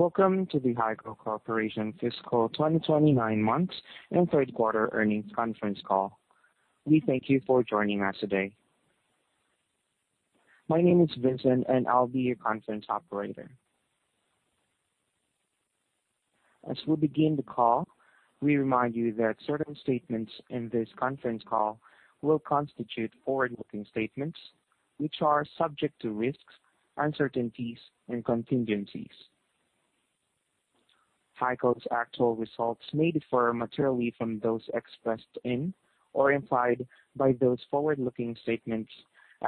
Welcome to the HEICO Corporation fiscal 2020 nine months and third quarter earnings conference call. We thank you for joining us today. My name is Vincent, and I'll be your conference operator. As we begin the call, we remind you that certain statements in this conference call will constitute forward-looking statements, which are subject to risks, uncertainties, and contingencies. HEICO's actual results may differ materially from those expressed in or implied by those forward-looking statements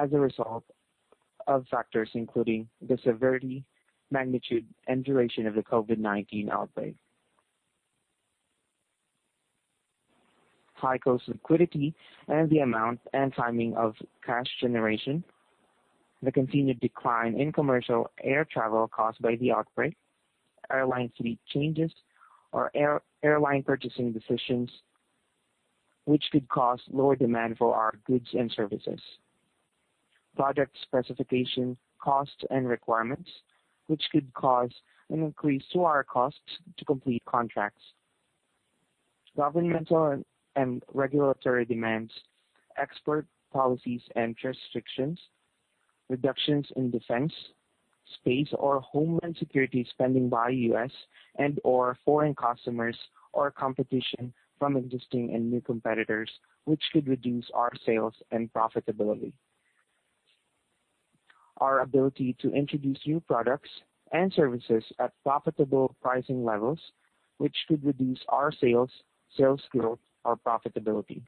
as a result of factors including the severity, magnitude, and duration of the COVID-19 outbreak. HEICO's liquidity and the amount and timing of cash generation. The continued decline in commercial air travel caused by the outbreak. Airline fleet changes or airline purchasing decisions, which could cause lower demand for our goods and services. Project specifications, costs, and requirements, which could cause an increase to our costs to complete contracts. Governmental and regulatory demands, export policies and restrictions, reductions in defense, space, or homeland security spending by U.S. and/or foreign customers, or competition from existing and new competitors, which could reduce our sales and profitability. Our ability to introduce new products and services at profitable pricing levels, which could reduce our sales growth, or profitability.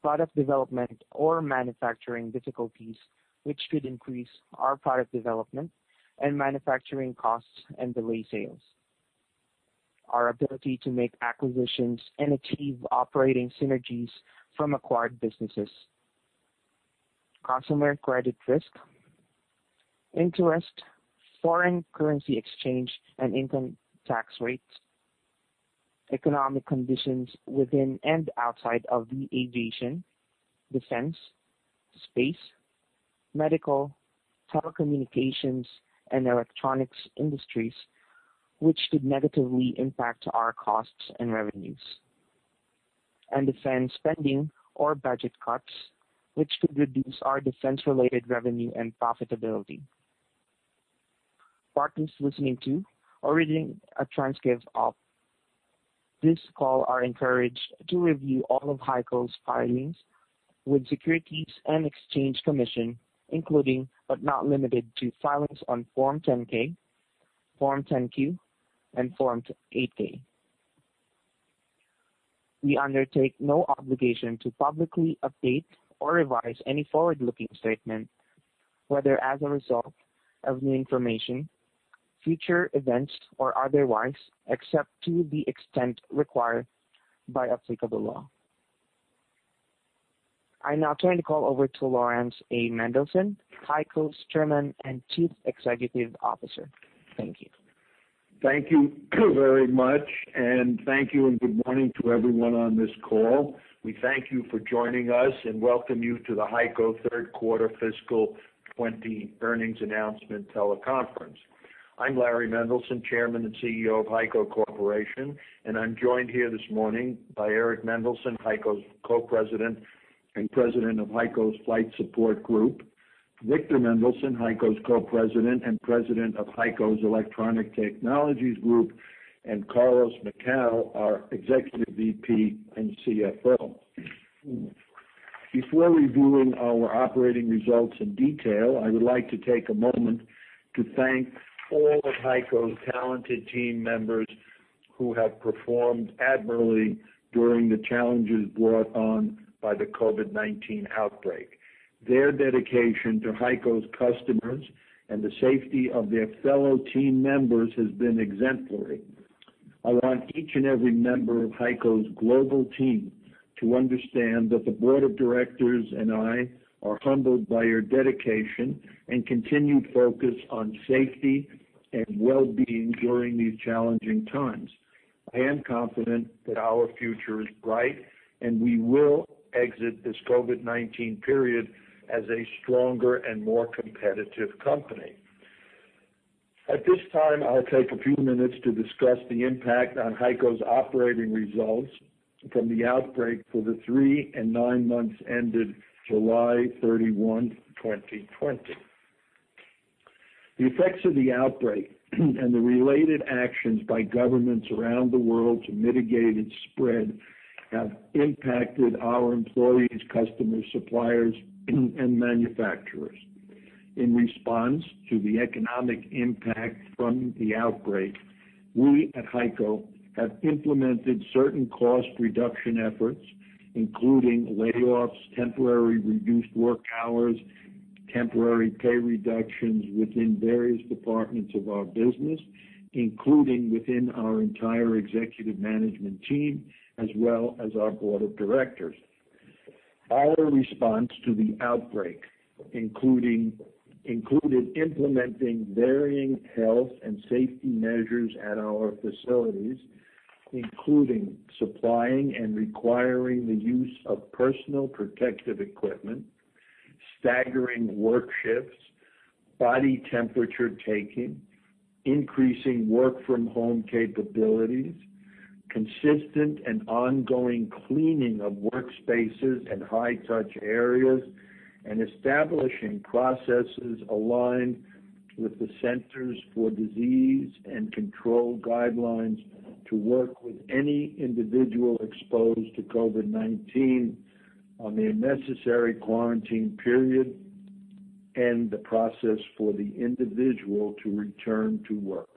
Product development or manufacturing difficulties, which could increase our product development and manufacturing costs and delay sales. Our ability to make acquisitions and achieve operating synergies from acquired businesses. Customer credit risk, interest, foreign currency exchange, and income tax rates. Economic conditions within and outside of the aviation, defense, space, medical, telecommunications, and electronics industries, which could negatively impact our costs and revenues. Defense spending or budget cuts, which could reduce our defense-related revenue and profitability. Parties listening to or reading a transcript of this call are encouraged to review all of HEICO's filings with Securities and Exchange Commission, including but not limited to filings on Form 10-K, Form 10-Q, and Form 8-K. We undertake no obligation to publicly update or revise any forward-looking statement, whether as a result of new information, future events, or otherwise, except to the extent required by applicable law. I now turn the call over to Laurans A. Mendelson, HEICO's Chairman and Chief Executive Officer. Thank you. Thank you very much, thank you and good morning to everyone on this call. We thank you for joining us and welcome you to the HEICO third quarter fiscal 2020 earnings announcement teleconference. I'm Larry Mendelson, Chairman and CEO of HEICO Corporation, and I'm joined here this morning by Eric Mendelson, HEICO's Co-President and President of HEICO's Flight Support Group; Victor Mendelson, HEICO's Co-President and President of HEICO's Electronic Technologies Group; and Carlos Macau, our Executive VP and CFO. Before reviewing our operating results in detail, I would like to take a moment to thank all of HEICO's talented team members who have performed admirably during the challenges brought on by the COVID-19 outbreak. Their dedication to HEICO's customers and the safety of their fellow team members has been exemplary. I want each and every member of HEICO's global team to understand that the board of directors and I are humbled by your dedication and continued focus on safety and well-being during these challenging times. I am confident that our future is bright, and we will exit this COVID-19 period as a stronger and more competitive company. At this time, I'll take a few minutes to discuss the impact on HEICO's operating results from the outbreak for the three and nine months ended July 31, 2020. The effects of the outbreak and the related actions by governments around the world to mitigate its spread have impacted our employees, customers, suppliers, and manufacturers. In response to the economic impact from the outbreak, we at HEICO have implemented certain cost reduction efforts, including layoffs, temporary reduced work hours, temporary pay reductions within various departments of our business, including within our entire executive management team as well as our board of directors. Our response to the outbreak included implementing varying health and safety measures at our facilities, including supplying and requiring the use of personal protective equipment, staggering work shifts, body temperature taking, increasing work-from-home capabilities, consistent and ongoing cleaning of workspaces and high-touch areas, and establishing processes aligned with the Centers for Disease Control and Prevention guidelines to work with any individual exposed to COVID-19 on the necessary quarantine period and the process for the individual to return to work.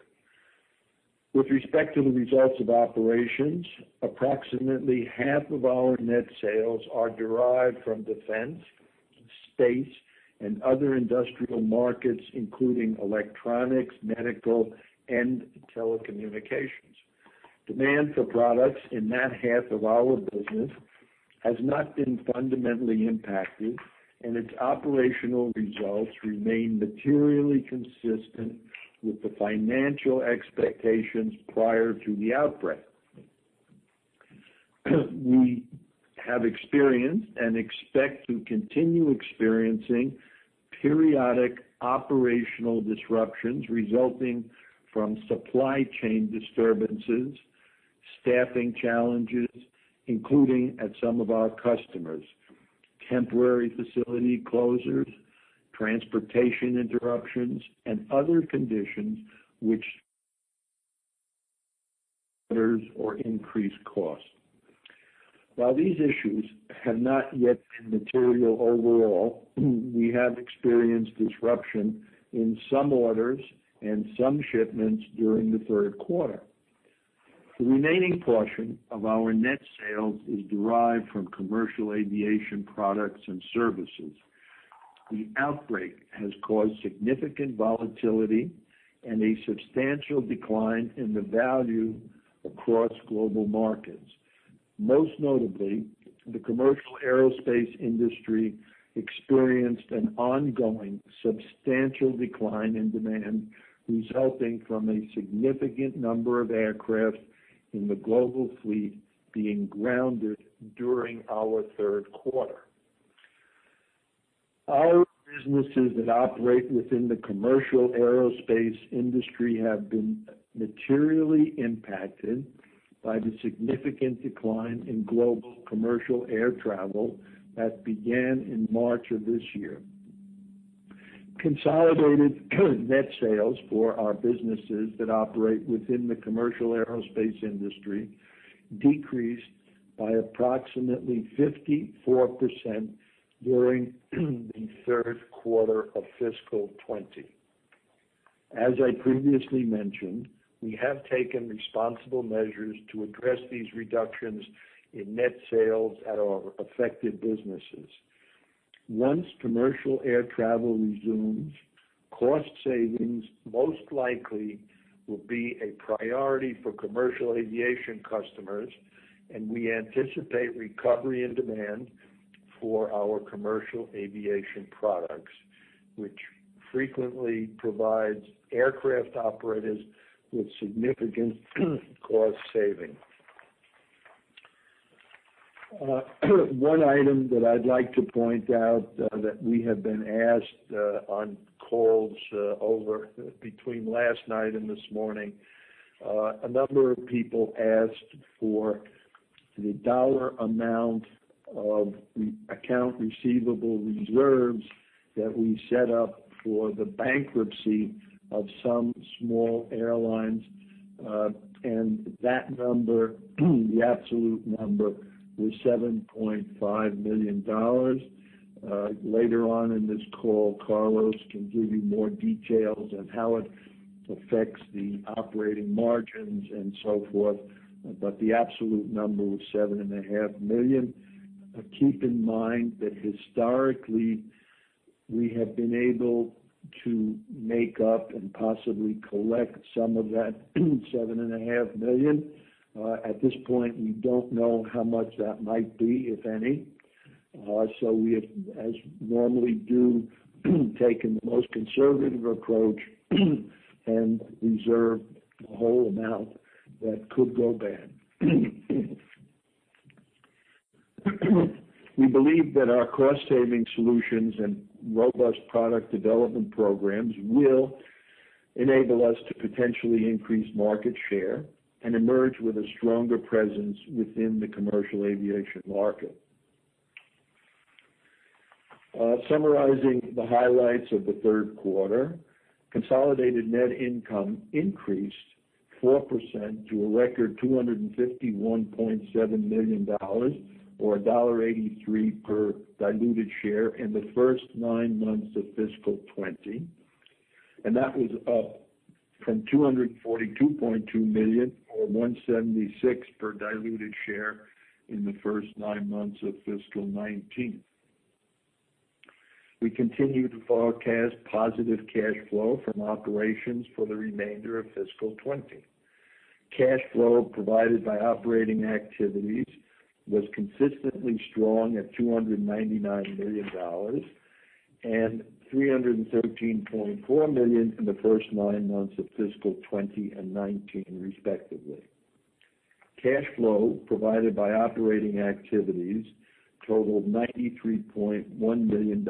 With respect to the results of operations, approximately half of our net sales are derived from defense, space, and other industrial markets, including electronics, medical, and telecommunications. Demand for products in that half of our business has not been fundamentally impacted, and its operational results remain materially consistent with the financial expectations prior to the outbreak. We have experienced and expect to continue experiencing periodic operational disruptions resulting from supply chain disturbances, staffing challenges, including at some of our customers, temporary facility closures, transportation interruptions, or increased costs. While these issues have not yet been material overall, we have experienced disruption in some orders and some shipments during the third quarter. The remaining portion of our net sales is derived from commercial aviation products and services. The outbreak has caused significant volatility and a substantial decline in the value across global markets. Most notably, the commercial aerospace industry experienced an ongoing substantial decline in demand, resulting from a significant number of aircraft in the global fleet being grounded during our third quarter. Our businesses that operate within the commercial aerospace industry have been materially impacted by the significant decline in global commercial air travel that began in March of this year. Consolidated net sales for our businesses that operate within the commercial aerospace industry decreased by approximately 54% during the third quarter of fiscal 2020. As I previously mentioned, we have taken responsible measures to address these reductions in net sales at our affected businesses. Once commercial air travel resumes, cost savings most likely will be a priority for commercial aviation customers, and we anticipate recovery in demand for our commercial aviation products, which frequently provides aircraft operators with significant cost savings. One item that I'd like to point out that we have been asked on calls between last night and this morning, a number of people asked for the dollar amount of account receivable reserves that we set up for the bankruptcy of some small airlines. That number, the absolute number, was $7.5 million. Later on in this call, Carlos can give you more details on how it affects the operating margins and so forth. The absolute number was $7.5 million. Keep in mind that historically, we have been able to make up and possibly collect some of that $7.5 million. At this point, we don't know how much that might be, if any. We have, as we normally do, taken the most conservative approach and reserved the whole amount that could go bad. We believe that our cost-saving solutions and robust product development programs will enable us to potentially increase market share and emerge with a stronger presence within the commercial aviation market. Summarizing the highlights of the third quarter, consolidated net income increased 4% to a record $251.7 million, or $1.83 per diluted share in the first nine months of fiscal 2020, and that was up from $242.2 million or $1.76 per diluted share in the first nine months of fiscal 2019. We continue to forecast positive cash flow from operations for the remainder of fiscal 2020. Cash flow provided by operating activities was consistently strong at $299 million and $313.4 million in the first nine months of fiscal 2020 and 2019, respectively. Cash flow provided by operating activities totaled $93.1 million,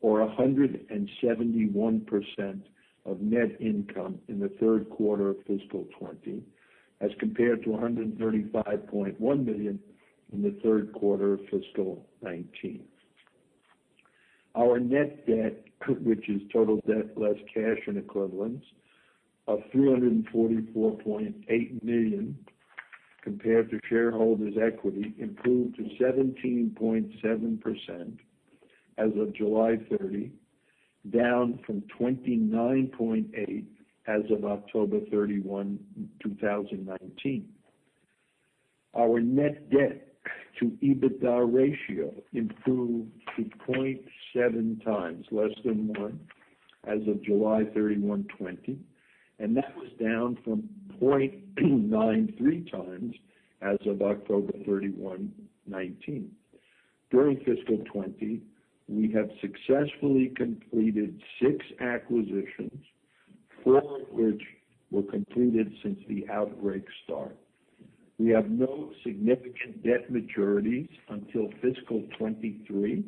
or 171% of net income in the third quarter of fiscal 2020, as compared to $135.1 million in the third quarter of fiscal 2019. Our net debt, which is total debt less cash and equivalents, of $344.8 million compared to shareholders' equity, improved to 17.7% as of July 30, down from 29.8% as of October 31, 2019. Our net debt to EBITDA ratio improved to 0.7x, less than one, as of July 31, 2020, and that was down from 0.93x as of October 31, 2019. During fiscal 2020, we have successfully completed six acquisitions, four of which were completed since the outbreak start. We have no significant debt maturities until fiscal 2023,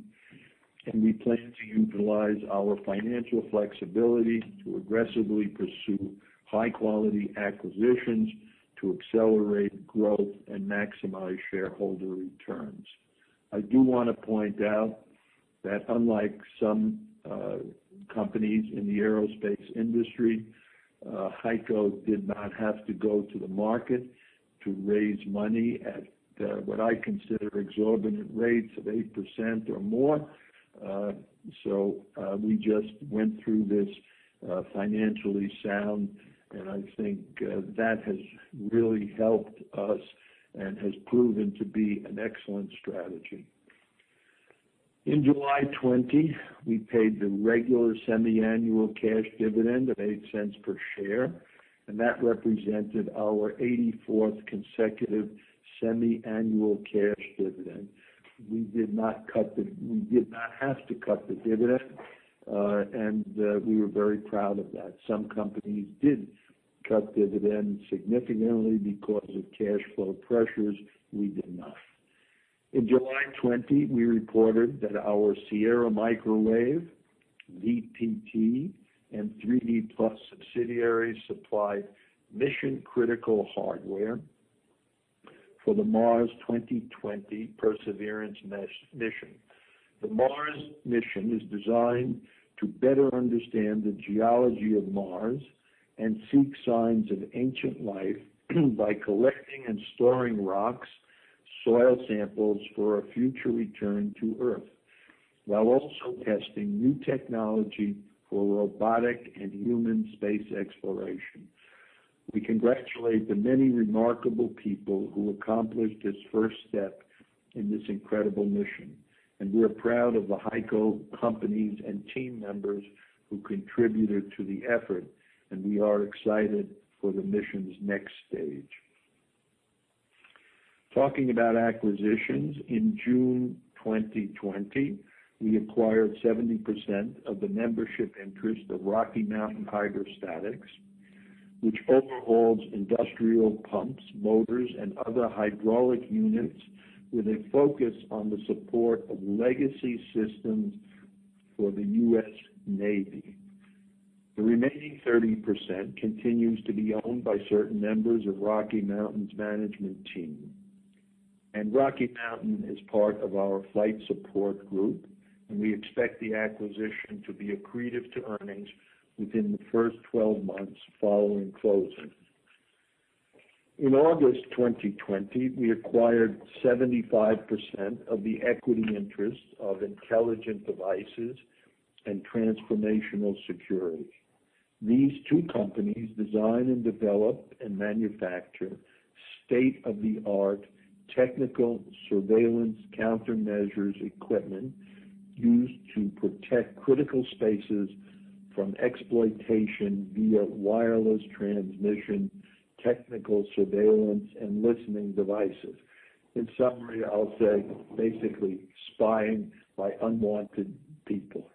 and we plan to utilize our financial flexibility to aggressively pursue high-quality acquisitions to accelerate growth and maximize shareholder returns. I do want to point out that unlike some companies in the aerospace industry, HEICO did not have to go to the market to raise money at what I consider exorbitant rates of 8% or more. We just went through this financially sound, and I think that has really helped us and has proven to be an excellent strategy. In July 2020, we paid the regular semiannual cash dividend of $0.08 per share, and that represented our 84th consecutive semiannual cash dividend. We did not have to cut the dividend, and we were very proud of that. Some companies did cut dividends significantly because of cash flow pressures. We did not. In July 2020, we reported that our Sierra Microwave, VPT, Inc., and 3D PLUS subsidiaries supplied mission-critical hardware for the Mars 2020 Perseverance mission. The Mars mission is designed to better understand the geology of Mars and seek signs of ancient life by collecting and storing rocks, soil samples for a future return to Earth, while also testing new technology for robotic and human space exploration. We congratulate the many remarkable people who accomplished this first step in this incredible mission. We're proud of the HEICO companies and team members who contributed to the effort. We are excited for the mission's next stage. Talking about acquisitions, in June 2020, we acquired 70% of the membership interest of Rocky Mountain Hydrostatics, which overhauls industrial pumps, motors, and other hydraulic units with a focus on the support of legacy systems for the US Navy. The remaining 30% continues to be owned by certain members of Rocky Mountain's management team. Rocky Mountain is part of our Flight Support Group, and we expect the acquisition to be accretive to earnings within the first 12 months following closing. In August 2020, we acquired 75% of the equity interest of Intelligent Devices and Transformational Security. These two companies design and develop and manufacture state-of-the-art technical surveillance countermeasures equipment used to protect critical spaces from exploitation via wireless transmission, technical surveillance, and listening devices. In summary, I'll say basically spying by unwanted people.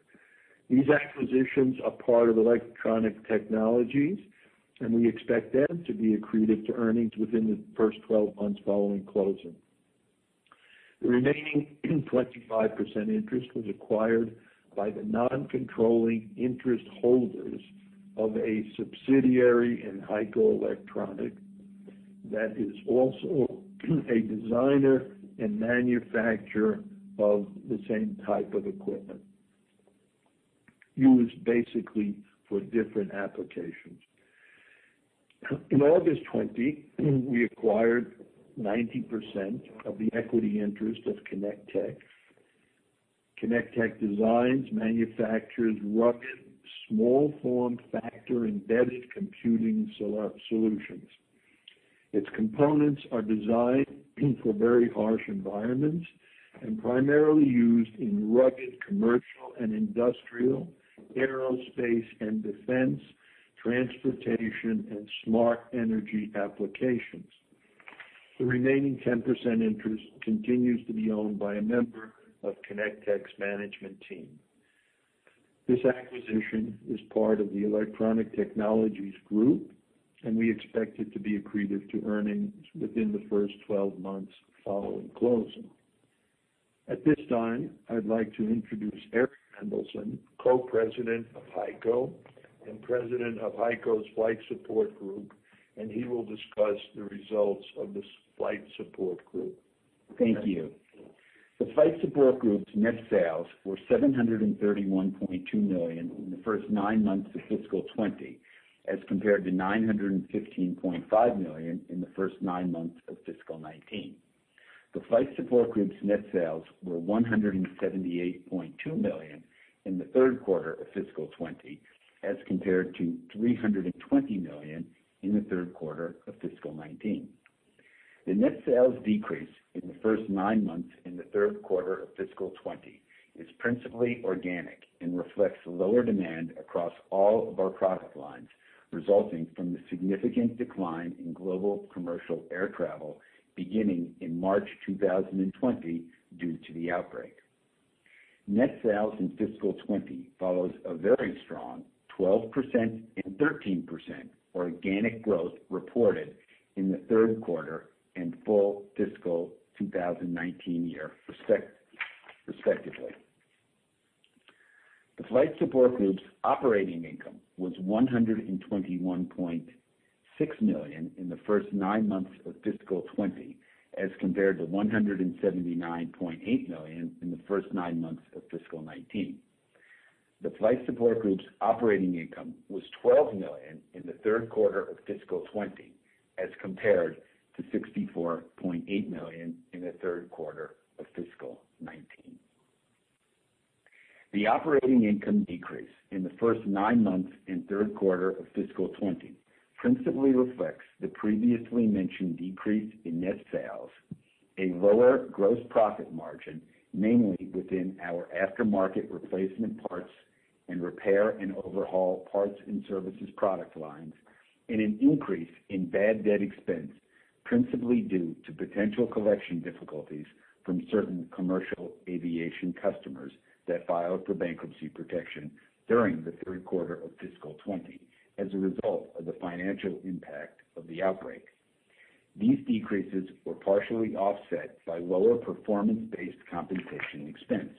These acquisitions are part of Electronic Technologies, and we expect them to be accretive to earnings within the first 12 months following closing. The remaining 25% interest was acquired by the non-controlling interest holders of a subsidiary in HEICO Electronic that is also a designer and manufacturer of the same type of equipment, used basically for different applications. In August 2020, we acquired 90% of the equity interest of Connect Tech. Connect Tech designs, manufactures rugged, small form factor embedded computing solutions. Its components are designed for very harsh environments and primarily used in rugged commercial and industrial, aerospace and defense, transportation, and smart energy applications. The remaining 10% interest continues to be owned by a member of Connect Tech's management team. This acquisition is part of the Electronic Technologies Group, and we expect it to be accretive to earnings within the first 12 months following closing. At this time, I'd like to introduce Eric Mendelson, Co-President of HEICO and President of HEICO's Flight Support Group, and he will discuss the results of this Flight Support Group. Thank you. The Flight Support Group's net sales were $731.2 million in the first nine months of fiscal 2020, as compared to $915.5 million in the first nine months of fiscal 2019. The Flight Support Group's net sales were $178.2 million in the third quarter of fiscal 2020, as compared to $320 million in the third quarter of fiscal 2019. The net sales decrease in the first nine months in the third quarter of fiscal 2020 is principally organic and reflects lower demand across all of our product lines, resulting from the significant decline in global commercial air travel beginning in March 2020 due to the outbreak. Net sales in fiscal 2020 follows a very strong 12% and 13% organic growth reported in the third quarter and full fiscal 2019 year respectively. The Flight Support Group's operating income was $121.6 million in the first nine months of fiscal 2020, as compared to $179.8 million in the first nine months of fiscal 2019. The Flight Support Group's operating income was $12 million in the third quarter of fiscal 2020, as compared to $64.8 million in the third quarter of fiscal 2019. The operating income decrease in the first nine months and third quarter of fiscal 2020 principally reflects the previously mentioned decrease in net sales, a lower gross profit margin, mainly within our aftermarket replacement parts and repair and overhaul parts and services product lines, and an increase in bad debt expense, principally due to potential collection difficulties from certain commercial aviation customers that filed for bankruptcy protection during the third quarter of fiscal 2020 as a result of the financial impact of the outbreak. These decreases were partially offset by lower performance-based compensation expense.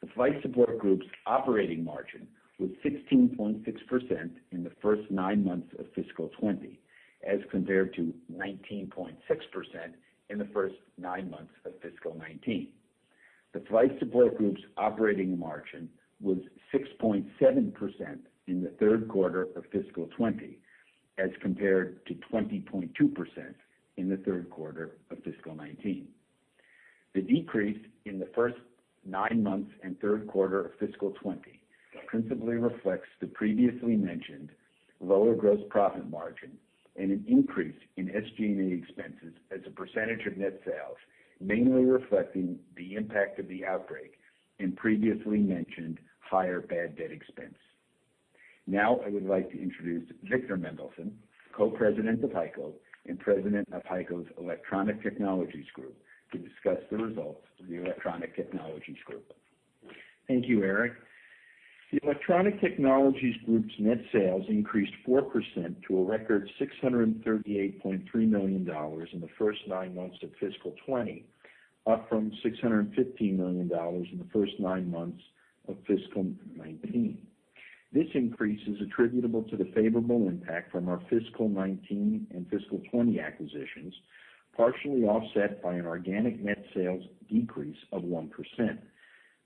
The Flight Support Group's operating margin was 16.6% in the first nine months of fiscal 2020, as compared to 19.6% in the first nine months of fiscal 2019. The Flight Support Group's operating margin was 6.7% in the third quarter of fiscal 2020, as compared to 20.2% in the third quarter of fiscal 2019. The decrease in the first nine months and third quarter of fiscal 2020 principally reflects the previously mentioned lower gross profit margin and an increase in SG&A expenses as a percentage of net sales, mainly reflecting the impact of the outbreak and previously mentioned higher bad debt expense. Now I would like to introduce Victor Mendelson, Co-President of HEICO and President of HEICO's Electronic Technologies Group, to discuss the results of the Electronic Technologies Group. Thank you, Eric. The Electronic Technologies Group's net sales increased 4% to a record $638.3 million in the first nine months of fiscal 2020, up from $615 million in the first nine months of fiscal 2019. This increase is attributable to the favorable impact from our fiscal 2019 and fiscal 2020 acquisitions, partially offset by an organic net sales decrease of 1%.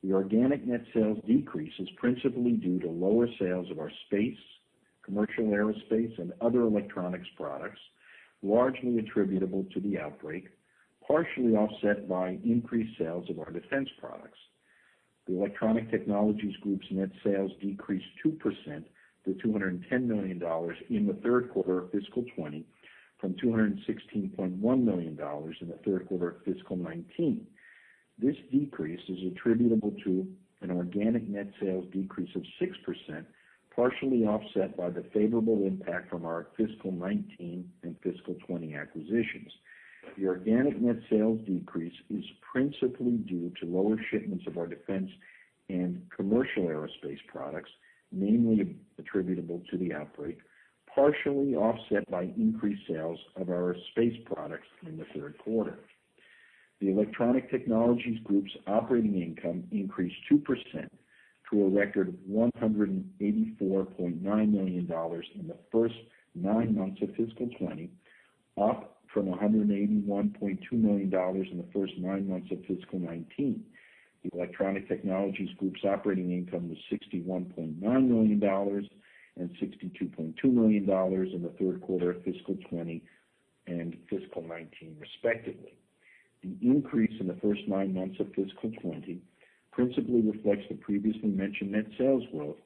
The organic net sales decrease is principally due to lower sales of our space, commercial aerospace, and other electronics products, largely attributable to the outbreak, partially offset by increased sales of our defense products. The Electronic Technologies Group's net sales decreased 2% to $210 million in the third quarter of fiscal 2020 from $216.1 million in the third quarter of fiscal 2019. This decrease is attributable to an organic net sales decrease of 6%, partially offset by the favorable impact from our fiscal 2019 and fiscal 2020 acquisitions. The organic net sales decrease is principally due to lower shipments of our defense and commercial aerospace products, mainly attributable to the outbreak, partially offset by increased sales of our space products in the third quarter. The Electronic Technologies Group's operating income increased 2% to a record $184.9 million in the first nine months of fiscal 2020, up from $181.2 million in the first nine months of fiscal 2019. The Electronic Technologies Group's operating income was $61.9 million and $62.2 million in the third quarter of fiscal 2020 and fiscal 2019, respectively. The increase in the first nine months of fiscal 2020 principally reflects the previously mentioned net sales growth,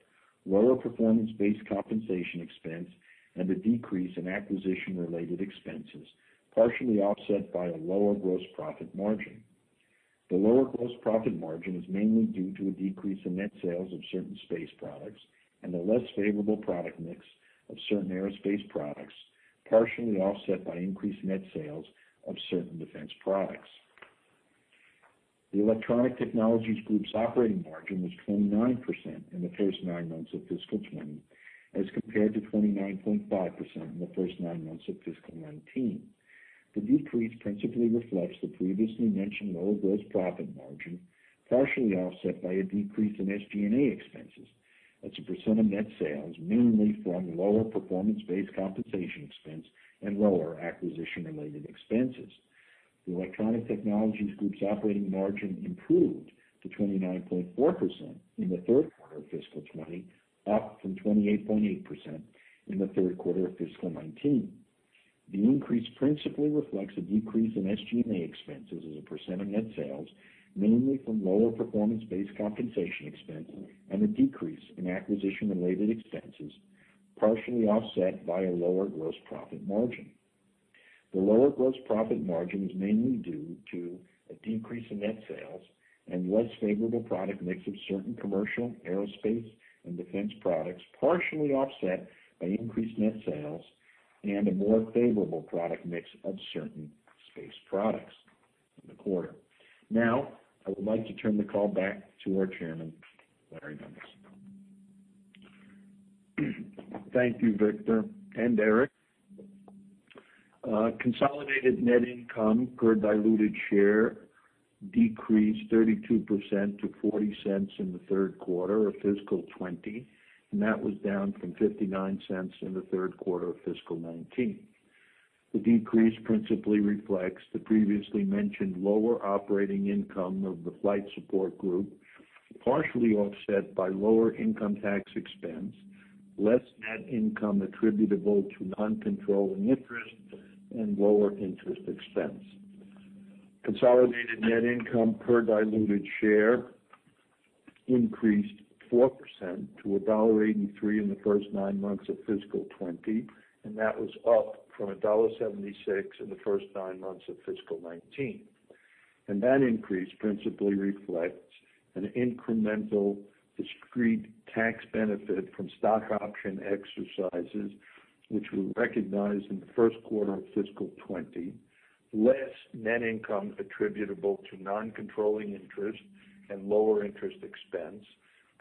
lower performance-based compensation expense, and a decrease in acquisition-related expenses, partially offset by a lower gross profit margin. The lower gross profit margin is mainly due to a decrease in net sales of certain space products and a less favorable product mix of certain aerospace products, partially offset by increased net sales of certain defense products. The Electronic Technologies Group's operating margin was 29% in the first nine months of fiscal 2020, as compared to 29.5% in the first nine months of fiscal 2019. The decrease principally reflects the previously mentioned lower gross profit margin, partially offset by a decrease in SG&A expenses as a % of net sales, mainly from lower performance-based compensation expense and lower acquisition-related expenses. The Electronic Technologies Group's operating margin improved to 29.4% in the third quarter of fiscal 2020, up from 28.8% in the third quarter of fiscal 2019. The increase principally reflects a decrease in SG&A expenses as a % of net sales, mainly from lower performance-based compensation expense and a decrease in acquisition-related expenses, partially offset by a lower gross profit margin. The lower gross profit margin is mainly due to a decrease in net sales and less favorable product mix of certain commercial aerospace and defense products, partially offset by increased net sales and a more favorable product mix of certain space products in the quarter. Now, I would like to turn the call back to our Chairman, Larry Mendelson. Thank you, Victor and Eric. Consolidated net income per diluted share decreased 32% to $0.40 in the third quarter of fiscal 2020, that was down from $0.59 in the third quarter of fiscal 2019. The decrease principally reflects the previously mentioned lower operating income of the Flight Support Group, partially offset by lower income tax expense, less net income attributable to non-controlling interest, and lower interest expense. Consolidated net income per diluted share increased 4% to $1.83 in the first nine months of fiscal 2020, that was up from $1.76 in the first nine months of fiscal 2019. That increase principally reflects an incremental discrete tax benefit from stock option exercises, which were recognized in the first quarter of fiscal 2020. Less net income attributable to non-controlling interest and lower interest expense,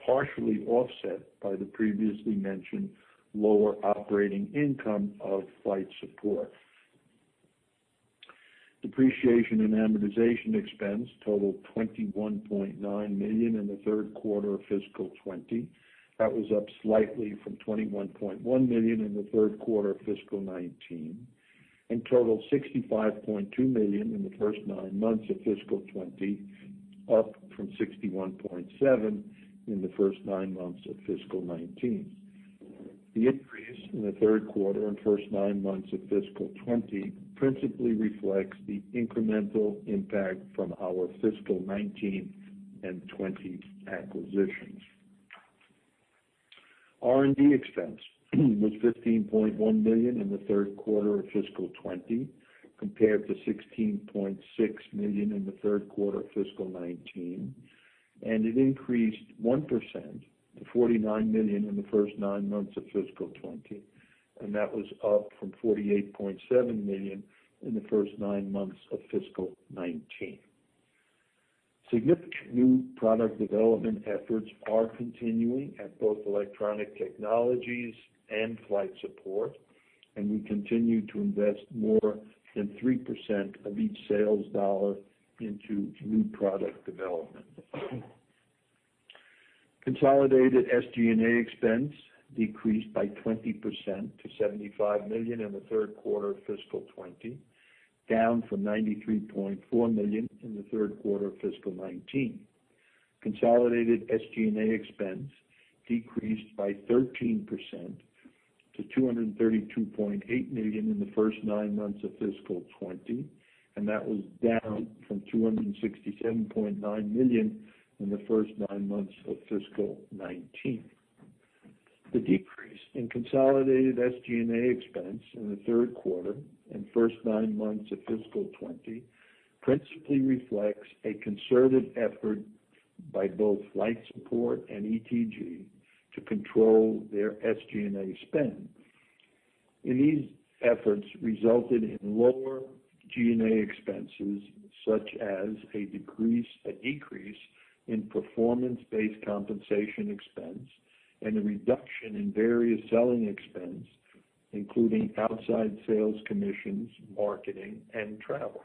partially offset by the previously mentioned lower operating income of Flight Support Group. Depreciation and amortization expense totaled $21.9 million in the third quarter of fiscal 2020. That was up slightly from $21.1 million in the third quarter of fiscal 2019, and totaled $65.2 million in the first nine months of fiscal 2020, up from $61.7 million in the first nine months of fiscal 2019. The increase in the third quarter and first nine months of fiscal 2020 principally reflects the incremental impact from our fiscal 2019 and 2020 acquisitions. R&D expense was $15.1 million in the third quarter of fiscal 2020, compared to $16.6 million in the third quarter of fiscal 2019, it increased 1% to $49 million in the first nine months of fiscal 2020. That was up from $48.7 million in the first nine months of fiscal 2019. Significant new product development efforts are continuing at both Electronic Technologies and Flight Support. We continue to invest more than 3% of each sales dollar into new product development. Consolidated SG&A expense decreased by 20% to $75 million in the third quarter of fiscal 2020, down from $93.4 million in the third quarter of fiscal 2019. Consolidated SG&A expense decreased by 13% to $232.8 million in the first nine months of fiscal 2020. That was down from $267.9 million in the first nine months of fiscal 2019. The decrease in consolidated SG&A expense in the third quarter and first nine months of fiscal 2020 principally reflects a concerted effort by both Flight Support and ETG to control their SG&A spend, and these efforts resulted in lower G&A expenses, such as a decrease in performance-based compensation expense and a reduction in various selling expense, including outside sales commissions, marketing, and travel.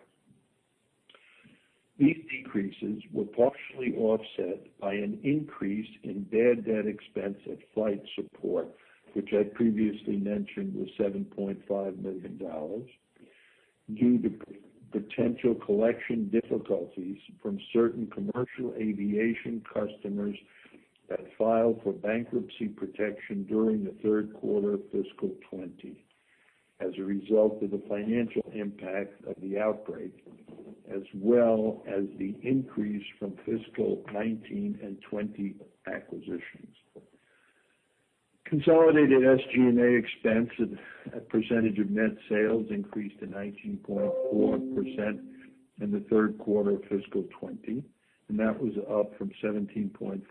These decreases were partially offset by an increase in bad debt expense at Flight Support, which I previously mentioned was $7.5 million, due to potential collection difficulties from certain commercial aviation customers that filed for bankruptcy protection during the third quarter of fiscal 2020 as a result of the financial impact of the outbreak, as well as the increase from fiscal 2019 and 2020 acquisitions. Consolidated SG&A expense as a percentage of net sales increased to 19.4% in the third quarter of fiscal 2020, and that was up from 17.5%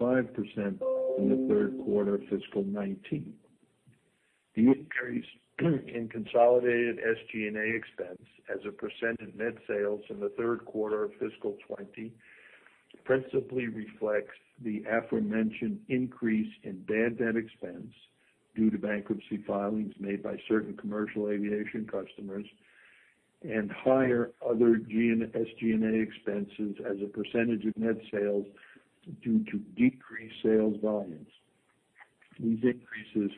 in the third quarter of fiscal 2019. The increase in consolidated SG&A expense as a percent of net sales in the third quarter of fiscal 2020 principally reflects the aforementioned increase in bad debt expense due to bankruptcy filings made by certain commercial aviation customers and higher other SG&A expenses as a percentage of net sales due to decreased sales volumes. These increases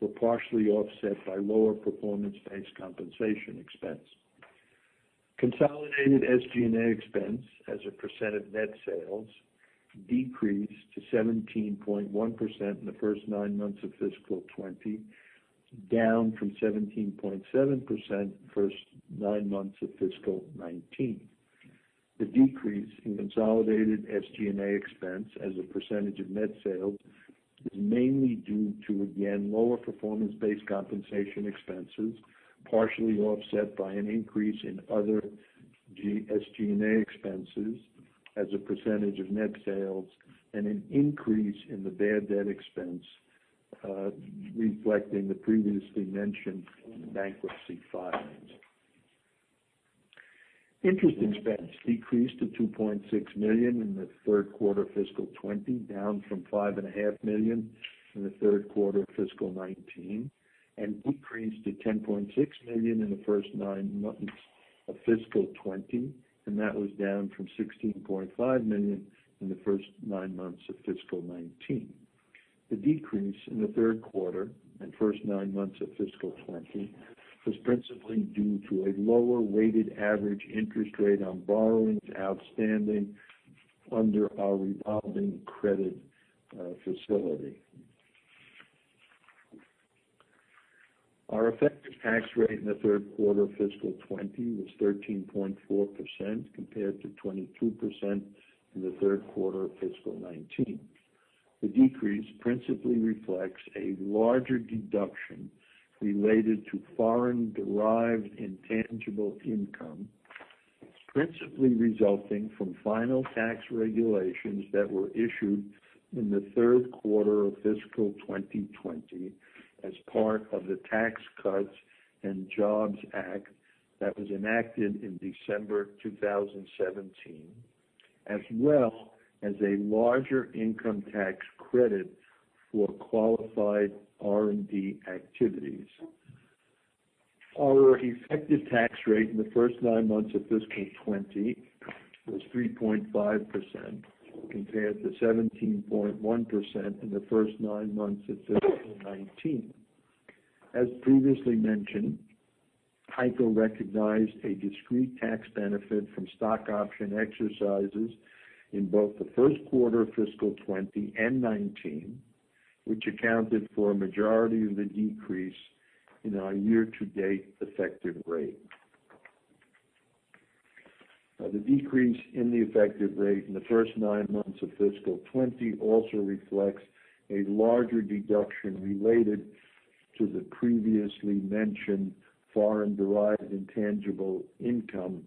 were partially offset by lower performance-based compensation expense. Consolidated SG&A expense as a % of net sales decreased to 17.1% in the first nine months of fiscal 2020, down from 17.7% first nine months of fiscal 2019. The decrease in consolidated SG&A expense as a % of net sales is mainly due to, again, lower performance-based compensation expenses, partially offset by an increase in other SG&A expenses as a % of net sales and an increase in the bad debt expense, reflecting the previously mentioned bankruptcy filings. Interest expense decreased to $2.6 million in the third quarter of fiscal 2020, down from $5.5 million in the third quarter of fiscal 2019, and decreased to $10.6 million in the first nine months of fiscal 2020, and that was down from $16.5 million in the first nine months of fiscal 2019. The decrease in the third quarter and first nine months of fiscal 2020 was principally due to a lower weighted average interest rate on borrowings outstanding under our revolving credit facility. Our effective tax rate in the third quarter of fiscal 2020 was 13.4% compared to 22% in the third quarter of fiscal 2019. The decrease principally reflects a larger deduction related to foreign-derived intangible income, principally resulting from final tax regulations that were issued in the third quarter of fiscal 2020 as part of the Tax Cuts and Jobs Act that was enacted in December 2017, as well as a larger income tax credit for qualified R&D activities. Our effective tax rate in the first nine months of fiscal 2020 was 3.5% compared to 17.1% in the first nine months of fiscal 2019. As previously mentioned, HEICO recognized a discrete tax benefit from stock option exercises in both the first quarter of fiscal 2020 and 2019, which accounted for a majority of the decrease in our year-to-date effective rate. The decrease in the effective rate in the first nine months of fiscal 2020 also reflects a larger deduction related to the previously mentioned foreign-derived intangible income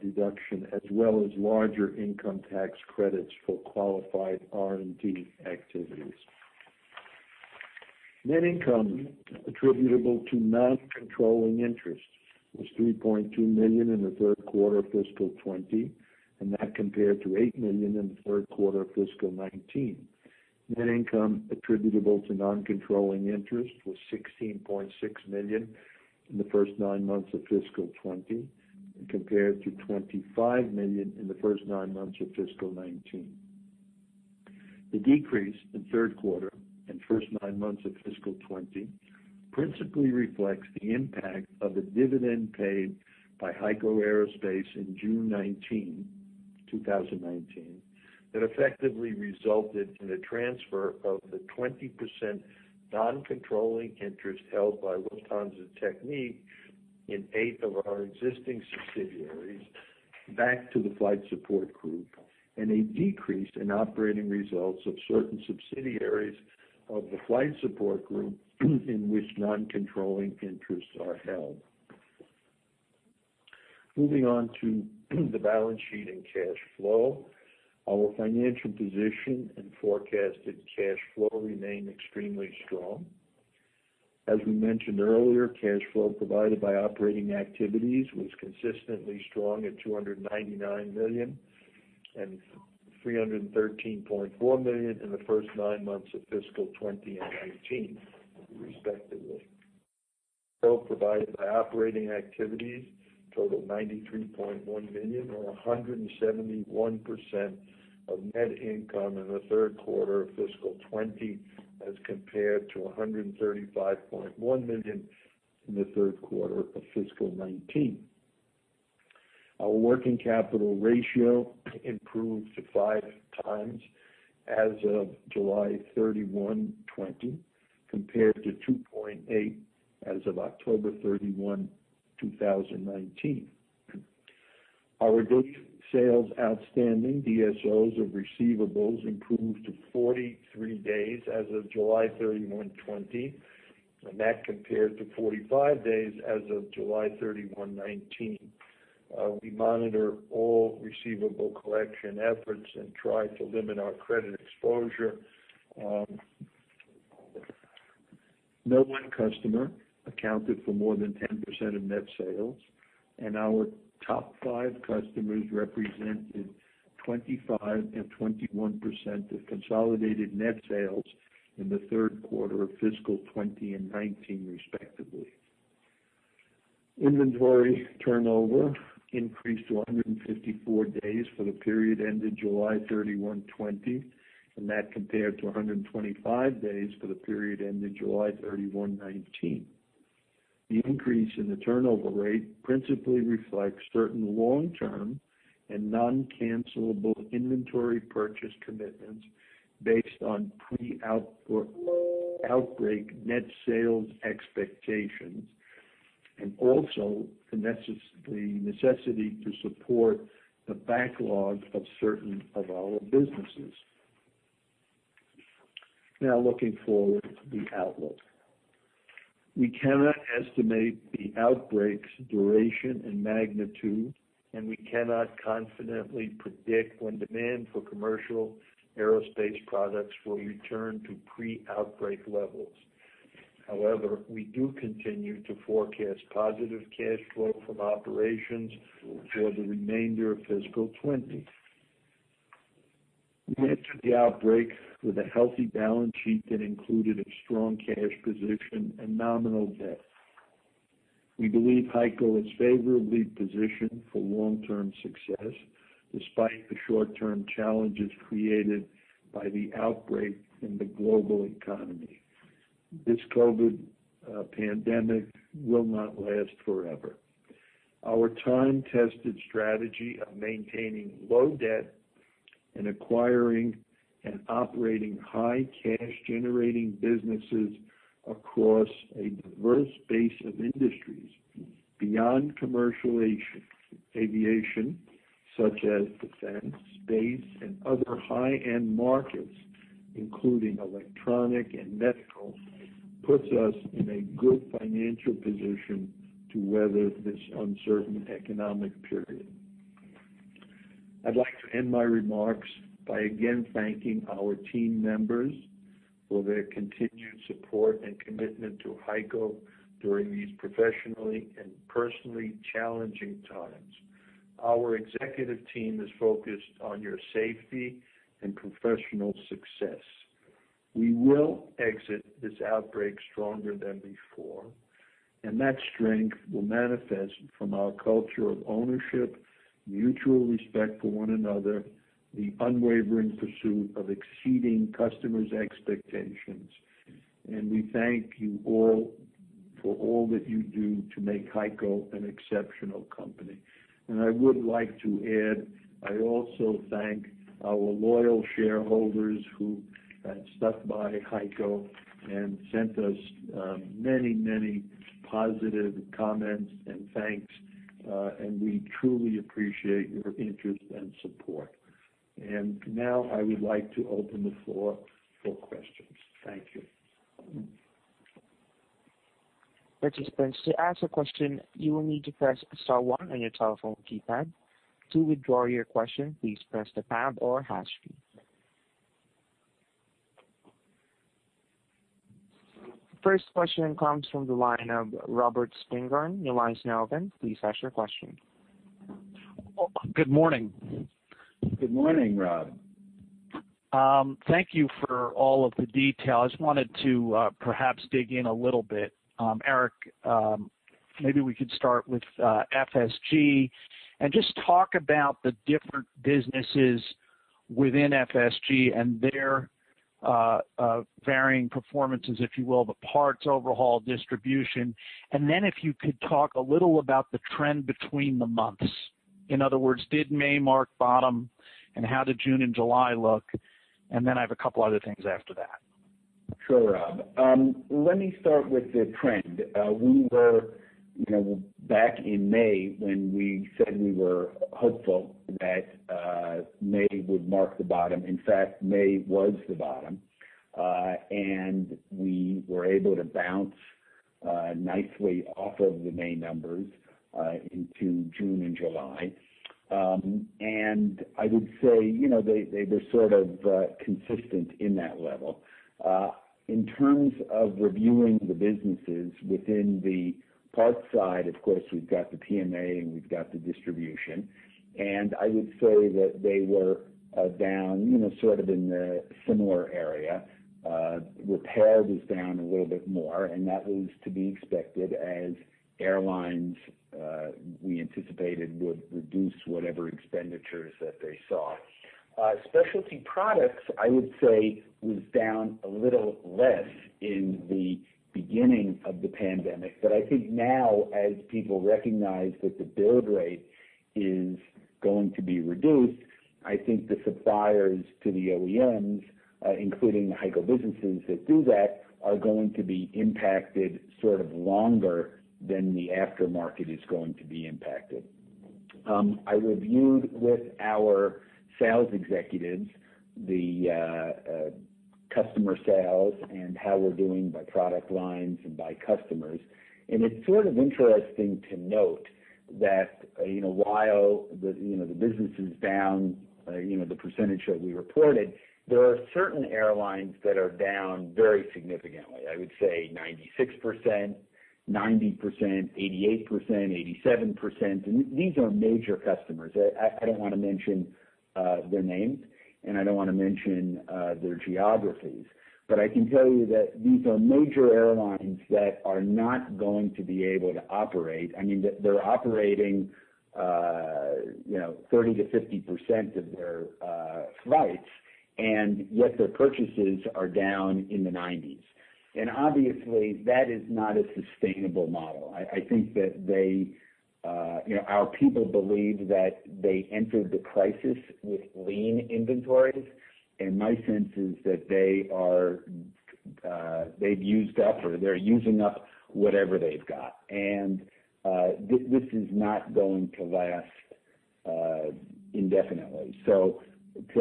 deduction, as well as larger income tax credits for qualified R&D activities. Net income attributable to non-controlling interests was $3.2 million in the third quarter of fiscal 2020, and that compared to $8 million in the third quarter of fiscal 2019. Net income attributable to non-controlling interest was $16.6 million in the first nine months of fiscal 2020 compared to $25 million in the first nine months of fiscal 2019. The decrease in third quarter and first nine months of fiscal 2020 principally reflects the impact of the dividend paid by HEICO Aerospace in June 2019 that effectively resulted in a transfer of the 20% non-controlling interest held by Lufthansa Technik in eight of our existing subsidiaries back to the Flight Support Group, and a decrease in operating results of certain subsidiaries of the Flight Support Group in which non-controlling interests are held. Moving on to the balance sheet and cash flow. Our financial position and forecasted cash flow remain extremely strong. As we mentioned earlier, cash flow provided by operating activities was consistently strong at $299 million and $313.4 million in the first nine months of fiscal 2020 and 2019, respectively. Cash flow provided by operating activities totaled $93.1 million or 171% of net income in the third quarter of fiscal 2020 as compared to $135.1 million in the third quarter of fiscal 2019. Our working capital ratio improved to 5 times as of July 31, 2020, compared to 2.8 as of October 31, 2019. Our Days Sales Outstanding, DSOs of receivables improved to 43 days as of July 31, 2020, and that compared to 45 days as of July 31, 2019. We monitor all receivable collection efforts and try to limit our credit exposure. No one customer accounted for more than 10% of net sales, and our top 5 customers represented 25% and 21% of consolidated net sales in the third quarter of fiscal 2020 and 2019, respectively. Inventory turnover increased to 154 days for the period ended July 31, 2020, and that compared to 125 days for the period ended July 31, 2019. The increase in the turnover rate principally reflects certain long-term and non-cancellable inventory purchase commitments based on pre-outbreak net sales expectations, and also the necessity to support the backlog of certain of our businesses. Looking forward to the outlook. We cannot estimate the outbreak's duration and magnitude, and we cannot confidently predict when demand for commercial aerospace products will return to pre-outbreak levels. However, we do continue to forecast positive cash flow from operations for the remainder of fiscal 2020. We entered the outbreak with a healthy balance sheet that included a strong cash position and nominal debt. We believe HEICO is favorably positioned for long-term success, despite the short-term challenges created by the outbreak in the global economy. This COVID pandemic will not last forever. Our time-tested strategy of maintaining low debt and acquiring and operating high cash-generating businesses across a diverse base of industries beyond commercial aviation, such as defense, space, and other high-end markets, including electronic and medical, puts us in a good financial position to weather this uncertain economic period. I'd like to end my remarks by again thanking our team members for their continued support and commitment to HEICO during these professionally and personally challenging times. Our executive team is focused on your safety and professional success. We will exit this outbreak stronger than before, and that strength will manifest from our culture of ownership, mutual respect for one another, the unwavering pursuit of exceeding customers' expectations. We thank you all for all that you do to make HEICO an exceptional company. I would like to add, I also thank our loyal shareholders who have stuck by HEICO and sent us many positive comments and thanks. We truly appreciate your interest and support. Now I would like to open the floor for questions. Thank you. Participants, to ask a question, you will need to press star one on your telephone keypad. To withdraw your question, please press the pound or hash key. First question comes from the line of Robert Spingarn, Credit Suisse. Please ask your question. Good morning. Good morning, Rob. Thank you for all of the detail. I just wanted to perhaps dig in a little bit. Eric, maybe we could start with FSG, and just talk about the different businesses within FSG and their varying performances, if you will, the parts overhaul distribution. If you could talk a little about the trend between the months. In other words, did May mark bottom? How did June and July look? I have a couple other things after that. Sure, Rob. Let me start with the trend. We were back in May when we said we were hopeful that May would mark the bottom. In fact, May was the bottom. We were able to bounce nicely off of the May numbers into June and July. I would say, they were sort of consistent in that level. In terms of reviewing the businesses within the parts side, of course, we've got the PMA and we've got the distribution. I would say that they were down sort of in the similar area. Repair was down a little bit more, and that was to be expected as airlines, we anticipated, would reduce whatever expenditures that they saw. Specialty Products, I would say, was down a little less in the beginning of the pandemic. I think now, as people recognize that the build rate is going to be reduced, I think the suppliers to the OEMs, including the HEICO businesses that do that, are going to be impacted sort of longer than the aftermarket is going to be impacted. I reviewed with our sales executives the customer sales and how we're doing by product lines and by customers. It's sort of interesting to note that while the business is down the percentage that we reported, there are certain airlines that are down very significantly. I would say 96%, 90%, 88%, 87%. These are major customers. I don't want to mention their names, and I don't want to mention their geographies. I can tell you that these are major airlines that are not going to be able to operate. They're operating 30%-50% of their flights, and yet their purchases are down in the 90s. Obviously, that is not a sustainable model. I think that our people believe that they entered the crisis with lean inventories, and my sense is that they've used up, or they're using up whatever they've got. This is not going to last indefinitely. To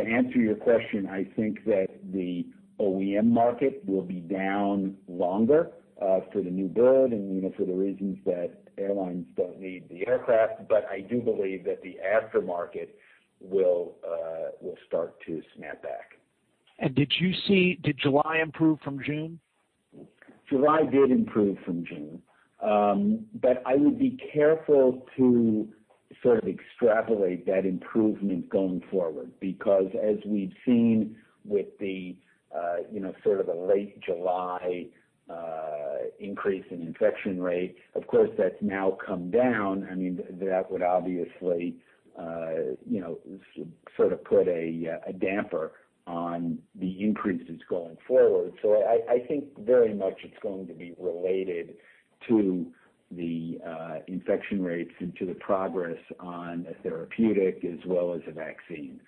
answer your question, I think that the OEM market will be down longer for the new build and for the reasons that airlines don't need the aircraft, but I do believe that the aftermarket will start to snap back. Did July improve from June? July did improve from June. I would be careful to extrapolate that improvement going forward, because as we've seen with the late July increase in infection rate, of course, that's now come down. That would obviously put a damper on the increases going forward. I think very much it's going to be related to the infection rates and to the progress on a therapeutic as well as a vaccine.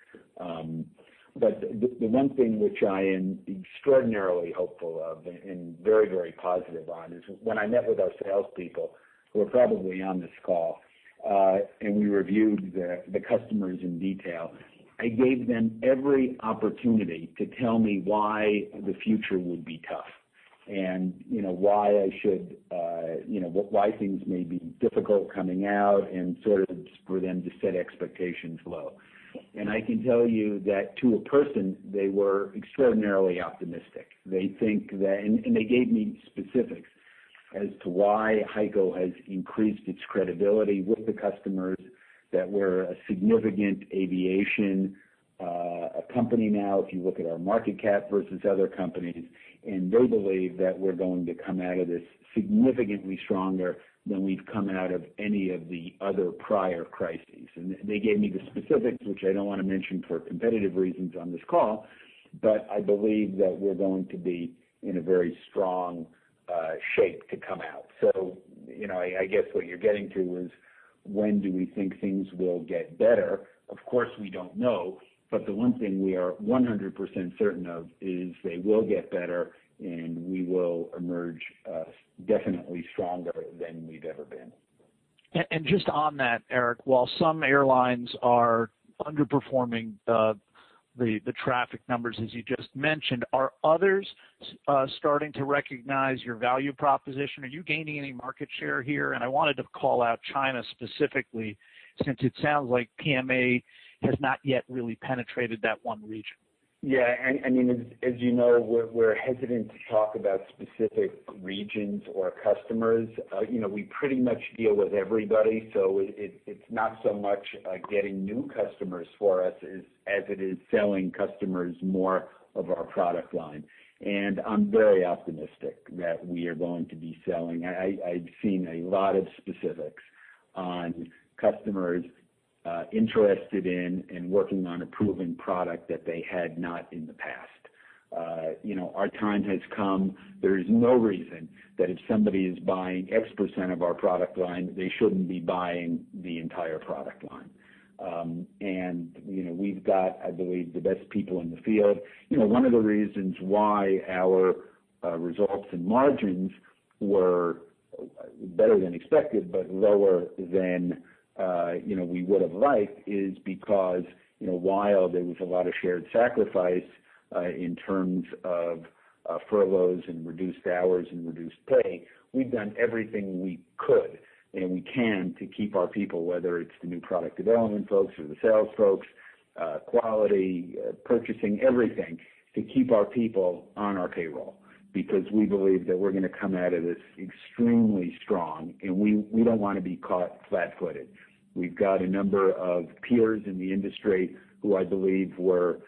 The one thing which I am extraordinarily hopeful of and very positive on is when I met with our salespeople, who are probably on this call, and we reviewed the customers in detail, I gave them every opportunity to tell me why the future would be tough and why things may be difficult coming out and for them to set expectations low. I can tell you that to a person, they were extraordinarily optimistic. They gave me specifics as to why HEICO has increased its credibility with the customers, that we're a significant aviation company now, if you look at our market cap versus other companies, and they believe that we're going to come out of this significantly stronger than we've come out of any of the other prior crises. They gave me the specifics, which I don't want to mention for competitive reasons on this call, but I believe that we're going to be in a very strong shape to come out. I guess what you're getting to is when do we think things will get better? Of course, we don't know, but the one thing we are 100% certain of is they will get better, and we will emerge definitely stronger than we've ever been. Just on that, Eric, while some airlines are underperforming the traffic numbers as you just mentioned, are others starting to recognize your value proposition? Are you gaining any market share here? I wanted to call out China specifically, since it sounds like PMA has not yet really penetrated that one region. Yeah. As you know, we're hesitant to talk about specific regions or customers. We pretty much deal with everybody, so it's not so much getting new customers for us as it is selling customers more of our product line. I'm very optimistic that we are going to be selling. I've seen a lot of specifics on customers interested in and working on approving product that they had not in the past. Our time has come. There is no reason that if somebody is buying X% of our product line, they shouldn't be buying the entire product line. We've got, I believe, the best people in the field. One of the reasons why our results and margins were better than expected but lower than we would've liked is because while there was a lot of shared sacrifice in terms of furloughs and reduced hours and reduced pay, we've done everything we could and we can to keep our people, whether it's the new product development folks or the sales folks, quality, purchasing, everything, to keep our people on our payroll because we believe that we're going to come out of this extremely strong, and we don't want to be caught flat-footed. We've got a number of peers in the industry who I believe were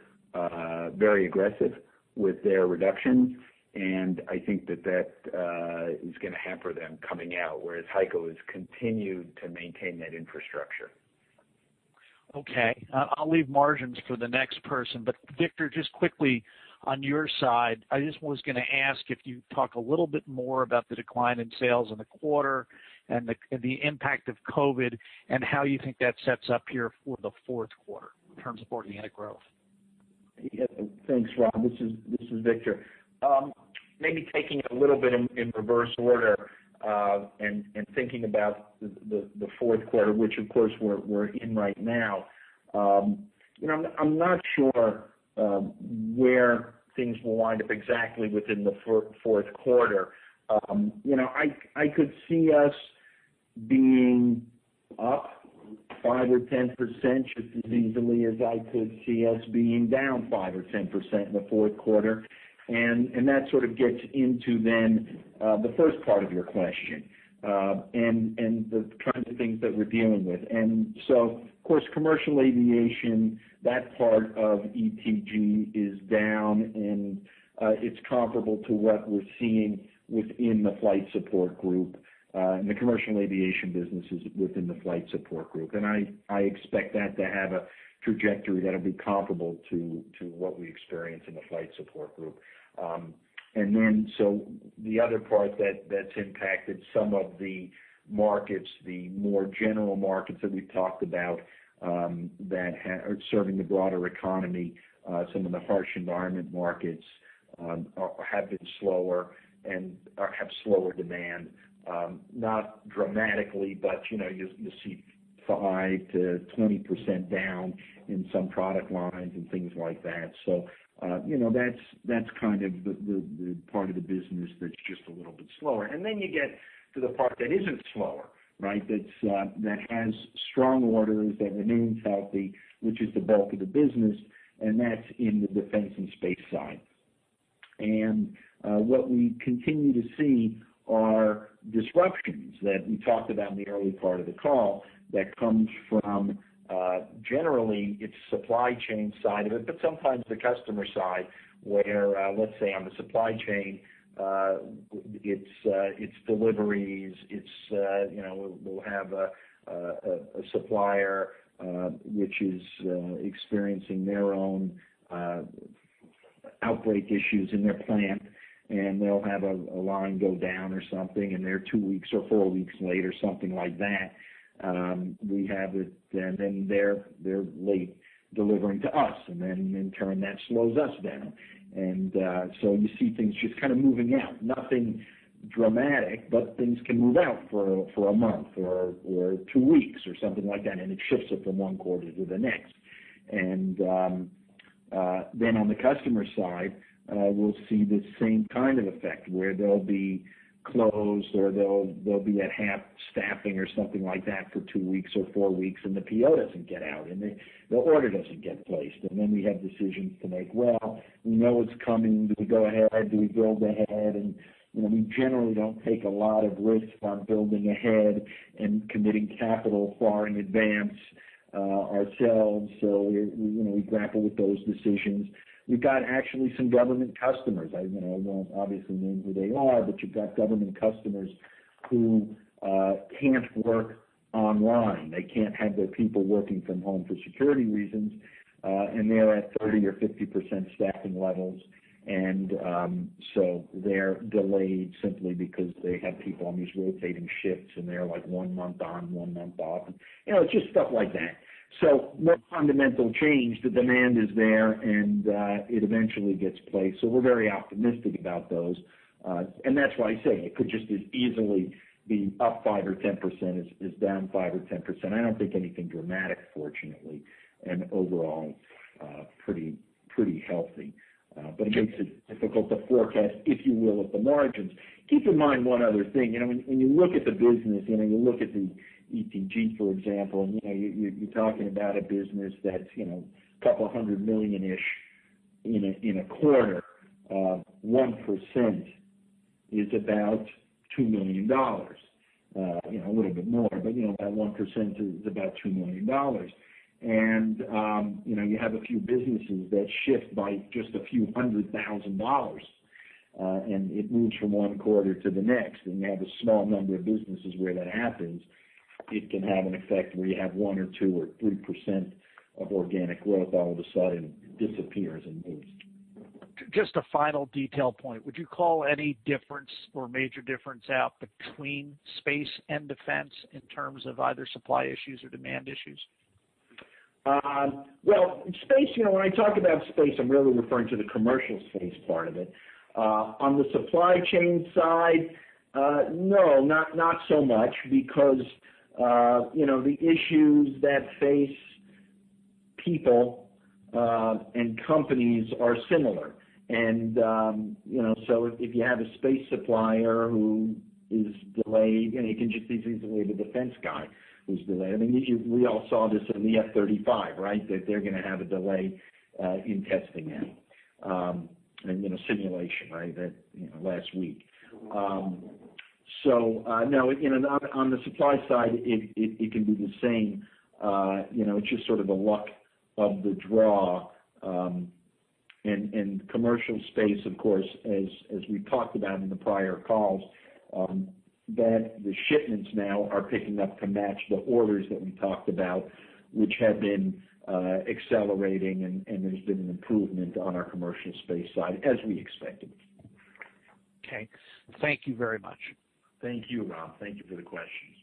very aggressive with their reductions, and I think that is going to hamper them coming out, whereas HEICO has continued to maintain that infrastructure. Okay. I'll leave margins for the next person. Victor, just quickly on your side, I just was going to ask if you'd talk a little bit more about the decline in sales in the quarter and the impact of COVID-19 and how you think that sets up here for the fourth quarter in terms of organic growth. Thanks, Rob. This is Victor. Maybe taking it a little bit in reverse order, and thinking about the fourth quarter, which of course, we're in right now. I'm not sure where things will wind up exactly within the fourth quarter. I could see us being up 5% or 10% just as easily as I could see us being down 5% or 10% in the fourth quarter. That sort of gets into then the first part of your question, and the kinds of things that we're dealing with. Of course, commercial aviation, that part of ETG, is down, and it's comparable to what we're seeing within the Flight Support Group, the commercial aviation businesses within the Flight Support Group. I expect that to have a trajectory that'll be comparable to what we experience in the Flight Support Group. The other part that's impacted some of the markets, the more general markets that we've talked about that are serving the broader economy, some of the harsh environment markets, have been slower and have slower demand. Not dramatically, but you'll see 5%-20% down in some product lines and things like that. That's kind of the part of the business that's just a little bit slower. You get to the part that isn't slower, right? That has strong orders that remain healthy, which is the bulk of the business, and that's in the defense and space side. What we continue to see are disruptions that we talked about in the early part of the call that comes from, generally, it's supply chain side of it, but sometimes the customer side, where, let's say, on the supply chain, it's deliveries. We'll have a supplier, which is experiencing their own outbreak issues in their plant, and they'll have a line go down or something, and they're two weeks or four weeks late or something like that. They're late delivering to us, and in turn, that slows us down. You see things just kind of moving out. Nothing dramatic, but things can move out for a month or two weeks or something like that, and it shifts it from one quarter to the next. On the customer side, we'll see the same kind of effect, where they'll be closed or they'll be at half staffing or something like that for two weeks or four weeks and the PO doesn't get out and the order doesn't get placed. We have decisions to make. "Well, we know it's coming. Do we go ahead? Do we build ahead? We generally don't take a lot of risks on building ahead and committing capital far in advance ourselves, so we grapple with those decisions. We've got actually some government customers. I won't obviously name who they are, but you've got government customers who can't work online. They can't have their people working from home for security reasons, and they're at 30% or 50% staffing levels. They're delayed simply because they have people on these rotating shifts, and they're one month on, one month off. It's just stuff like that. No fundamental change. The demand is there, and it eventually gets placed. We're very optimistic about those. That's why I say it could just as easily be up 5% or 10% as down 5% or 10%. I don't think anything dramatic, fortunately, and overall, pretty healthy. It makes it difficult to forecast, if you will, at the margins. Keep in mind one other thing. When you look at the business, you look at the ETG, for example, and you're talking about a business that's a couple hundred million-ish in a quarter. 1% is about $2 million. A little bit more, but that 1% is about $2 million. You have a few businesses that shift by just a few hundred thousand dollars, and it moves from one quarter to the next, and you have a small number of businesses where that happens. It can have an effect where you have 1% or 2% or 3% of organic growth all of a sudden disappears and moves. Just a final detail point. Would you call any difference or major difference out between space and defense in terms of either supply issues or demand issues? Well, space, when I talk about space, I'm really referring to the commercial space part of it. On the supply chain side, no, not so much, because the issues that face people and companies are similar. If you have a space supplier who is delayed, it can just be easily the defense guy who's delayed. I mean, we all saw this in the F-35, right? They're going to have a delay in testing now in a simulation last week. No, on the supply side, it can be the same. It's just sort of the luck of the draw. Commercial space, of course, as we've talked about in the prior calls, the shipments now are picking up to match the orders that we talked about, which had been accelerating, and there's been an improvement on our commercial space side, as we expected. Okay. Thank you very much. Thank you, Rob. Thank you for the questions.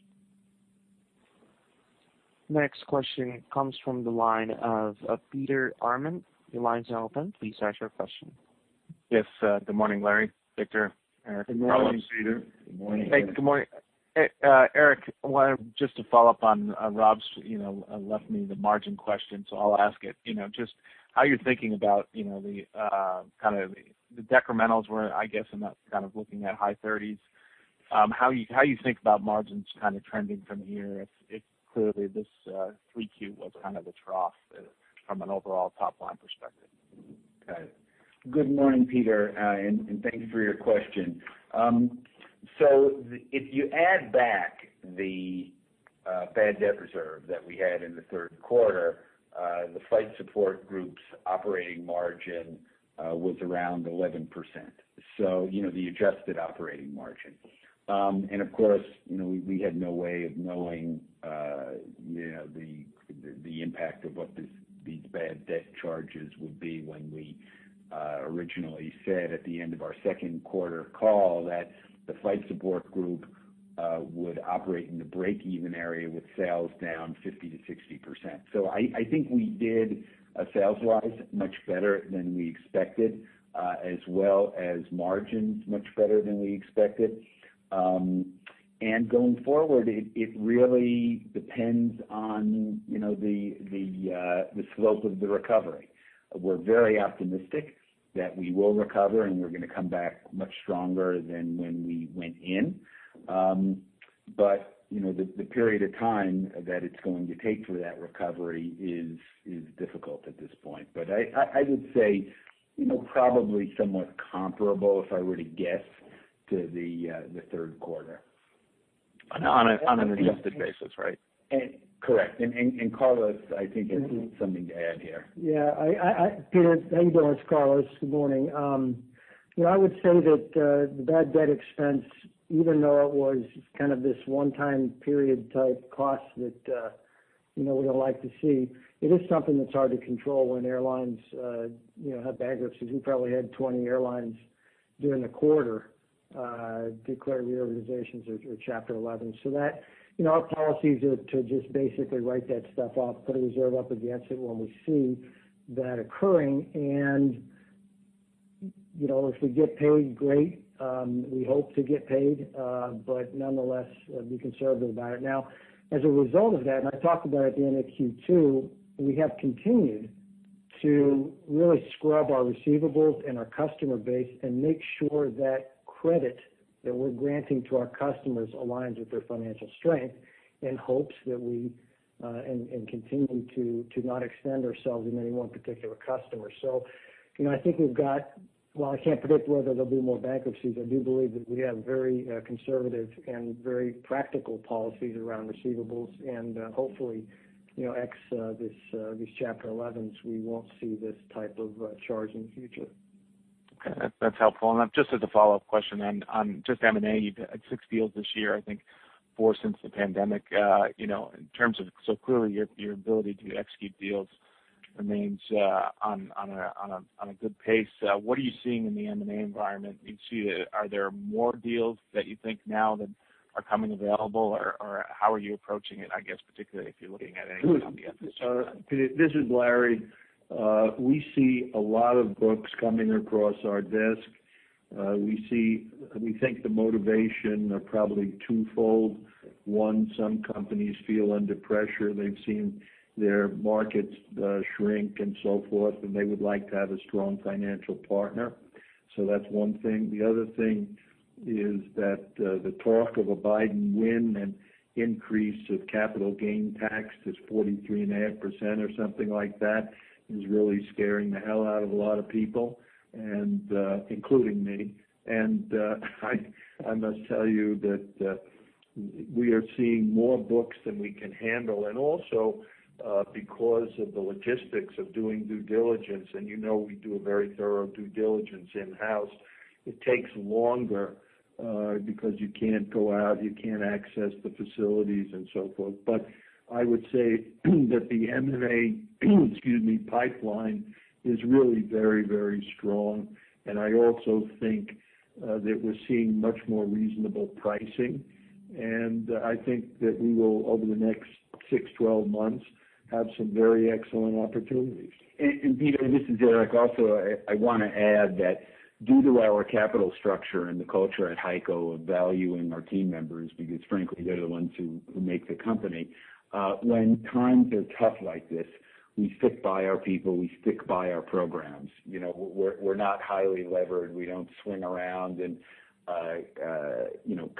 Next question comes from the line of Peter Arment. Your line is now open. Please ask your question. Yes. Good morning, Larry, Victor, Eric and Carlos. Good morning, Peter. Good morning. Thank you. Good morning. Eric, just to follow up on Robert's, left me the margin question. I'll ask it. Just how you're thinking about the decremental where I guess I'm not looking at high 30s? How you think about margins trending from here, if clearly this 3Q was kind of a trough from an overall top line perspective? Okay. Good morning, Peter, and thank you for your question. If you add back the bad debt reserve that we had in the third quarter, the Flight Support Group's operating margin was around 11%. The adjusted operating margin. Of course, we had no way of knowing the impact of what these bad debt charges would be when we originally said at the end of our second quarter call that the Flight Support Group would operate in the break-even area with sales down 50% to 60%. I think we did a sales wise much better than we expected, as well as margins much better than we expected. Going forward, it really depends on the slope of the recovery. We're very optimistic that we will recover, and we're going to come back much stronger than when we went in. The period of time that it's going to take for that recovery is difficult at this point. I would say, probably somewhat comparable, if I were to guess to the third quarter. On an adjusted basis, right? Correct. Carlos, I think has something to add here. Yeah. Peter, how you doing? It's Carlos, good morning. I would say that the bad debt expense, even though it was kind of this one time period type cost that we don't like to see, it is something that's hard to control when airlines have bankruptcies. We probably had 20 airlines during the quarter declare reorganizations or Chapter 11. Our policy is to just basically write that stuff off, put a reserve up against it when we see that occurring, and if we get paid, great. We hope to get paid, but nonetheless, be conservative about it. As a result of that, I talked about it at the end of Q2, we have continued to really scrub our receivables and our customer base and make sure that credit that we're granting to our customers aligns with their financial strength, continuing to not extend ourselves in any one particular customer. I think we've got while I can't predict whether there'll be more bankruptcies, I do believe that we have very conservative and very practical policies around receivables and, hopefully, ex this Chapter 11s, we won't see this type of charge in the future. Okay. That's helpful. Just as a follow-up question on just M&A, you had six deals this year, I think four since the pandemic. Clearly, your ability to execute deals remains on a good pace. What are you seeing in the M&A environment? Are there more deals that you think now that are coming available, or how are you approaching it, I guess particularly if you're looking at anything on the? Good This is Larry. We see a lot of books coming across our desk. We think the motivation are probably twofold. One, some companies feel under pressure. They've seen their markets shrink and so forth, and they would like to have a strong financial partner. That's one thing. The other thing is that, the talk of a Biden win and increase of capital gain tax to 43.5% or something like that, is really scaring the hell out of a lot of people, and including me. I must tell you that we are seeing more books than we can handle. Also, because of the logistics of doing due diligence, and you know we do a very thorough due diligence in-house. It takes longer, because you can't go out, you can't access the facilities and so forth. I would say that the M&A, excuse me, pipeline is really very, very strong. I also think that we're seeing much more reasonable pricing. I think that we will, over the next six, 12 months, have some very excellent opportunities. Peter, this is Eric. Also, I want to add that due to our capital structure and the culture at HEICO of valuing our team members, because frankly, they're the ones who make the company. When times are tough like this, we stick by our people, we stick by our programs. We're not highly levered. We don't swing around and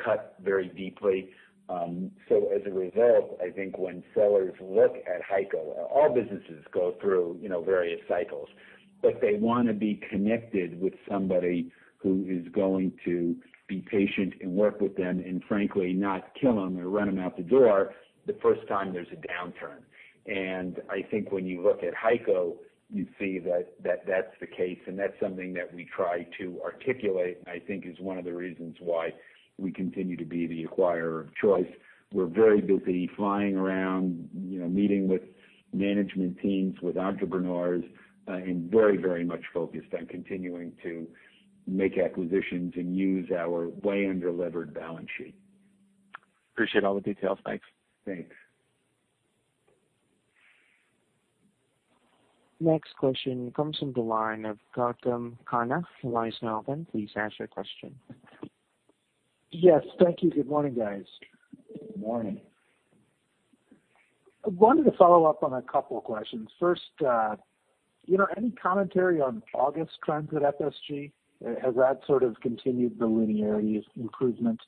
cut very deeply. As a result, I think when sellers look at HEICO, all businesses go through various cycles. If they want to be connected with somebody who is going to be patient and work with them and frankly, not kill them or run them out the door the first time there's a downturn. I think when you look at HEICO, you see that that's the case. That's something that we try to articulate, and I think is one of the reasons why we continue to be the acquirer of choice. We're very busy flying around, meeting with management teams, with entrepreneurs, and very, very much focused on continuing to make acquisitions and use our way under-levered balance sheet. Appreciate all the details. Thanks. Thanks. Next question comes from the line of Gautam Khanna, TD Cowen. Please ask your question. Yes. Thank you. Good morning, guys. Good morning. I wanted to follow up on a couple of questions. First, any commentary on August trends at FSG? Has that sort of continued the linearity of improvement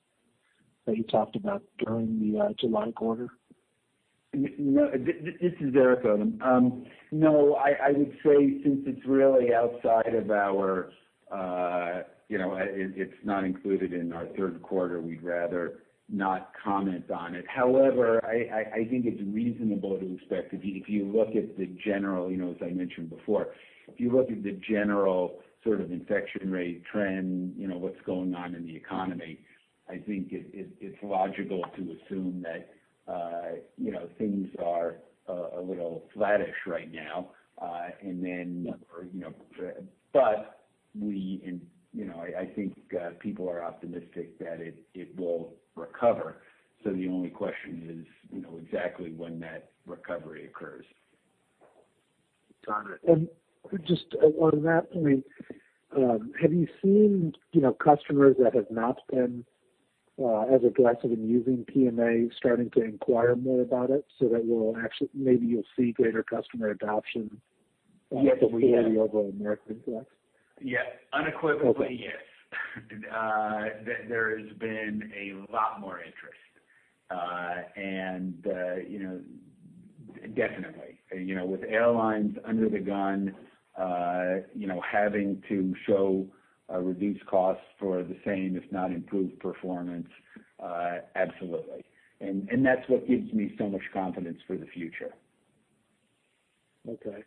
that you talked about during the July quarter? This is Eric. No, I would say since it's really not included in our third quarter, we'd rather not comment on it. However, I think it's reasonable to expect, as I mentioned before, if you look at the general sort of infection rate trend, what's going on in the economy, I think it's logical to assume that things are a little flattish right now. I think people are optimistic that it will recover. The only question is exactly when that recovery occurs. Got it. Just on that point, have you seen customers that have not been as aggressive in using PMA starting to inquire more about it, so that maybe you'll see greater customer adoption? Yes, we have. over the next few months? Yes. Unequivocally yes. There has been a lot more interest. Definitely. With airlines under the gun having to show reduced costs for the same, if not improved performance. Absolutely. That's what gives me so much confidence for the future. Okay.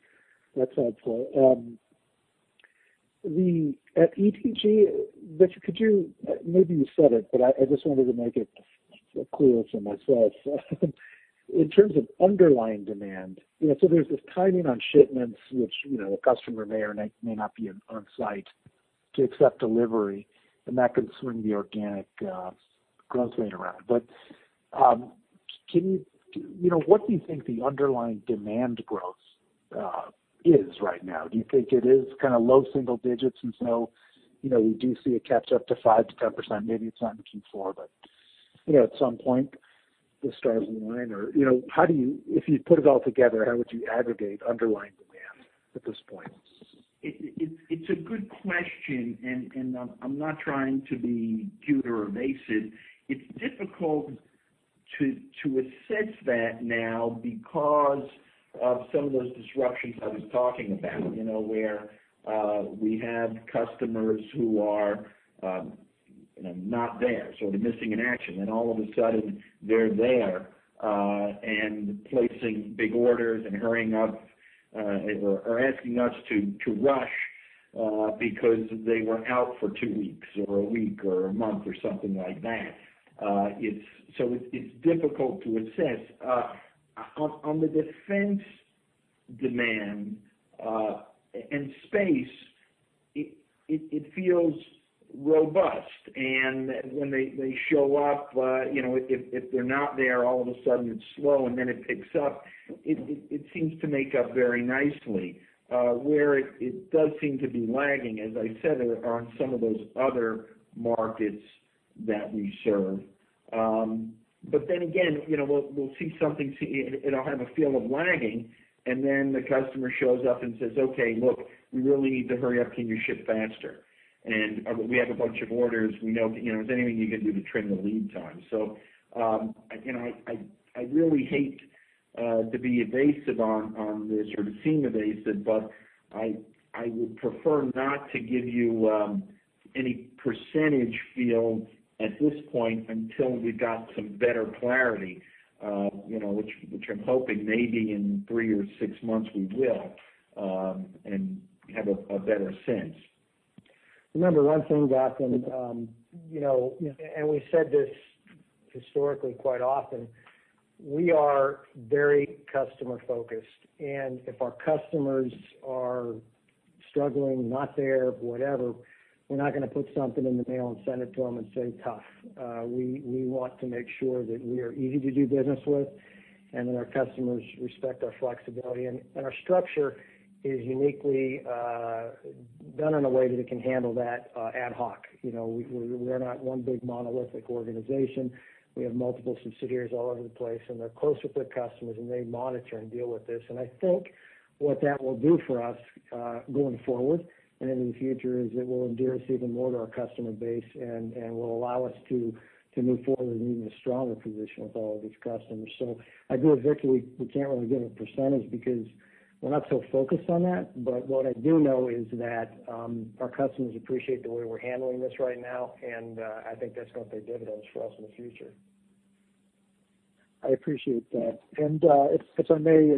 That's helpful. At ETG, Victor, maybe you said it, but I just wanted to make it clearer for myself. In terms of underlying demand, so there's this timing on shipments, which a customer may or may not be on site to accept delivery, and that can swing the organic growth rate around. What do you think the underlying demand growth is right now? Do you think it is kind of low single digits and so we do see a catch-up to 5%-10%? Maybe it's not in Q4, but at some point, the stars align. If you put it all together, how would you aggregate underlying demand at this point? It's a good question, and I'm not trying to be cute or evasive. It's difficult to assess that now because of some of those disruptions I was talking about, where we have customers who are not there, sort of missing in action, and all of a sudden they're there and placing big orders and hurrying up, or asking us to rush because they were out for two weeks or a week or a month or something like that. It's difficult to assess. On the defense demand and space, it feels robust. When they show up, if they're not there, all of a sudden it's slow and then it picks up. It seems to make up very nicely. Where it does seem to be lagging, as I said, are on some of those other markets that we serve. Again, it'll have a feel of lagging, and then the customer shows up and says, "Okay, look, we really need to hurry up. Can you ship faster?" "We have a bunch of orders. Is there anything you can do to trim the lead time?" I really hate to be evasive on this or to seem evasive, but I would prefer not to give you any percentage feel at this point until we've got some better clarity, which I'm hoping maybe in three or six months we will, and have a better sense. Remember one thing, Gautam, we said this historically quite often, we are very customer-focused. If our customers are struggling, not there, whatever, we're not going to put something in the mail and send it to them and say, "Tough." We want to make sure that we are easy to do business with and that our customers respect our flexibility. Our structure is uniquely done in a way that it can handle that ad hoc. We're not one big monolithic organization. We have multiple subsidiaries all over the place, and they're close with their customers, and they monitor and deal with this. I think what that will do for us, going forward and into the future, is it will endear us even more to our customer base and will allow us to move forward in an even stronger position with all of these customers. I agree with Victor. We can't really give a percentage because we're not so focused on that. What I do know is that our customers appreciate the way we're handling this right now, and I think that's going to pay dividends for us in the future. I appreciate that. If I may,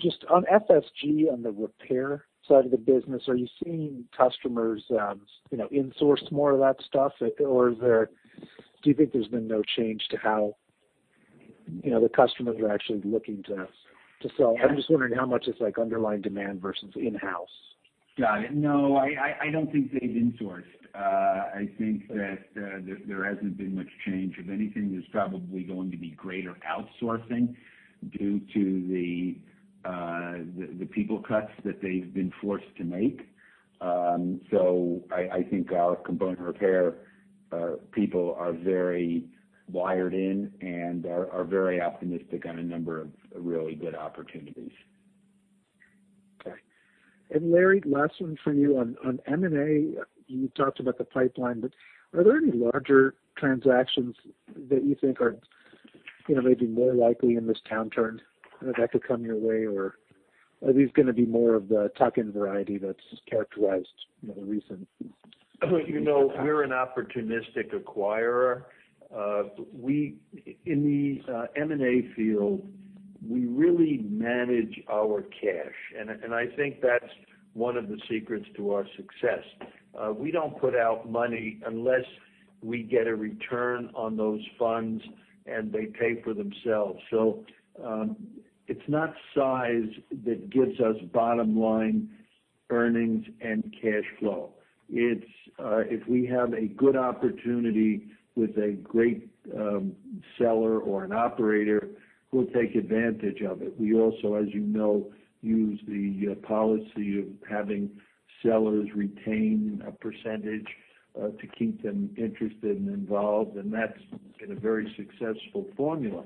just on FSG, on the repair side of the business, are you seeing customers in-source more of that stuff? Do you think there's been no change to how the customers are actually looking to sell? I'm just wondering how much it's underlying demand versus in-house. Got it. No, I don't think they've insourced. I think that there hasn't been much change. If anything, there's probably going to be greater outsourcing due to the people cuts that they've been forced to make. I think our component repair people are very wired in and are very optimistic on a number of really good opportunities. Okay. Larry, last one for you. On M&A, you talked about the pipeline, are there any larger transactions that you think are maybe more likely in this downturn that could come your way? Are these going to be more of the tuck-in variety that's characterized the recent- You know, we're an opportunistic acquirer. In the M&A field, we really manage our cash, and I think that's one of the secrets to our success. We don't put out money unless we get a return on those funds and they pay for themselves. It's not size that gives us bottom-line earnings and cash flow. It's, if we have a good opportunity with a great seller or an operator, we'll take advantage of it. We also, as you know, use the policy of having sellers retain a percentage to keep them interested and involved, and that's been a very successful formula.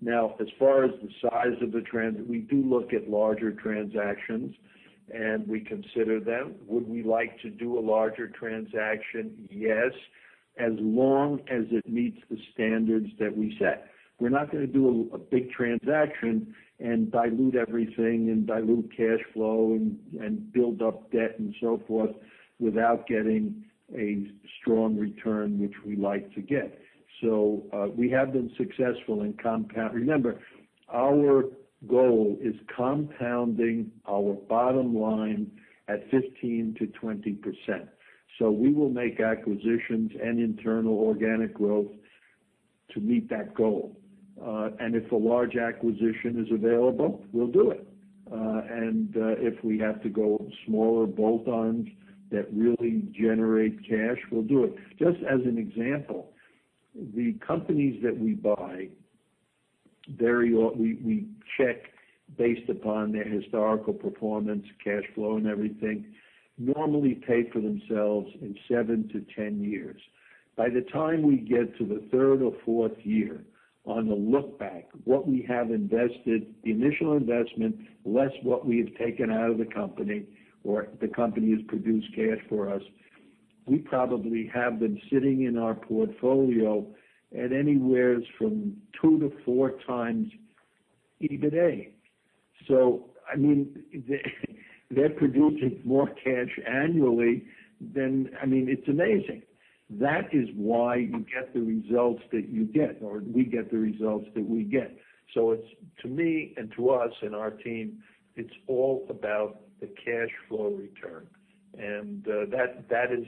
Now, as far as the size of the trend, we do look at larger transactions and we consider them. Would we like to do a larger transaction? Yes. As long as it meets the standards that we set. We're not going to do a big transaction and dilute everything and dilute cash flow and build up debt and so forth without getting a strong return, which we like to get. We have been successful in compound. Remember, our goal is compounding our bottom line at 15%-20%. We will make acquisitions and internal organic growth to meet that goal. If a large acquisition is available, we'll do it. If we have to go smaller bolt-ons that really generate cash, we'll do it. Just as an example, the companies that we buy, we check based upon their historical performance, cash flow and everything, normally pay for themselves in 7-10 years. By the time we get to the third or fourth year on the look back, what we have invested, the initial investment, less what we have taken out of the company or the company has produced cash for us, we probably have been sitting in our portfolio at anywhere from 2-4 times EBITDA. I mean, they're producing more cash annually than I mean, it's amazing. That is why you get the results that you get, or we get the results that we get. It's, to me and to us and our team, it's all about the cash flow return, and that is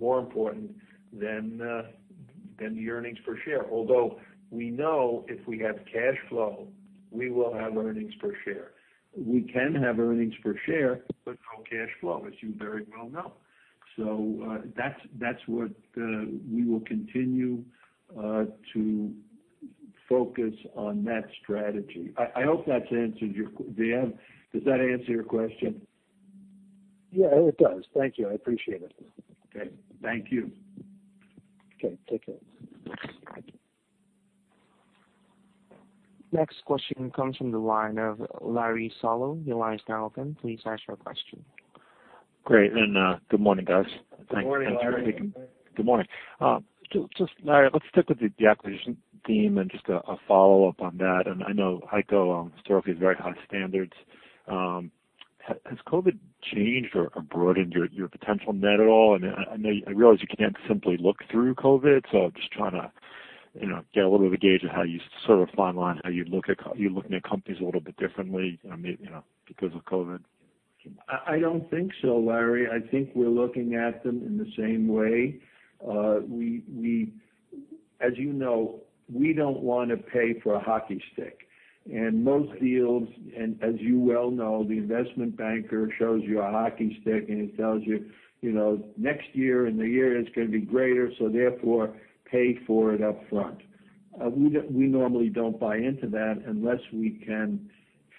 more important than the earnings per share. Although, we know if we have cash flow, we will have earnings per share. We can have earnings per share, but no cash flow, as you very well know. That's what we will continue to focus on that strategy. I hope that's answered. Dan, does that answer your question? Yeah, it does. Thank you. I appreciate it. Okay. Thank you. Okay. Take care. Thanks. Next question comes from the line of Larry Solow. Your line is now open. Please ask your question. Great, good morning, guys. Good morning, Larry. Good morning. Larry, let's stick with the acquisition theme and just a follow-up on that. I know HEICO historically has very high standards. Has COVID changed or broadened your potential net at all? I realize you can't simply look through COVID, so I'm just trying to get a little bit of a gauge of how you sort of fine line, how you're looking at companies a little bit differently, because of COVID. I don't think so, Larry. I think we're looking at them in the same way. As you know, we don't want to pay for a hockey stick. Most deals, as you well know, the investment banker shows you a hockey stick, it tells you, next year and the year is going to be greater, therefore pay for it up front. We normally don't buy into that unless we can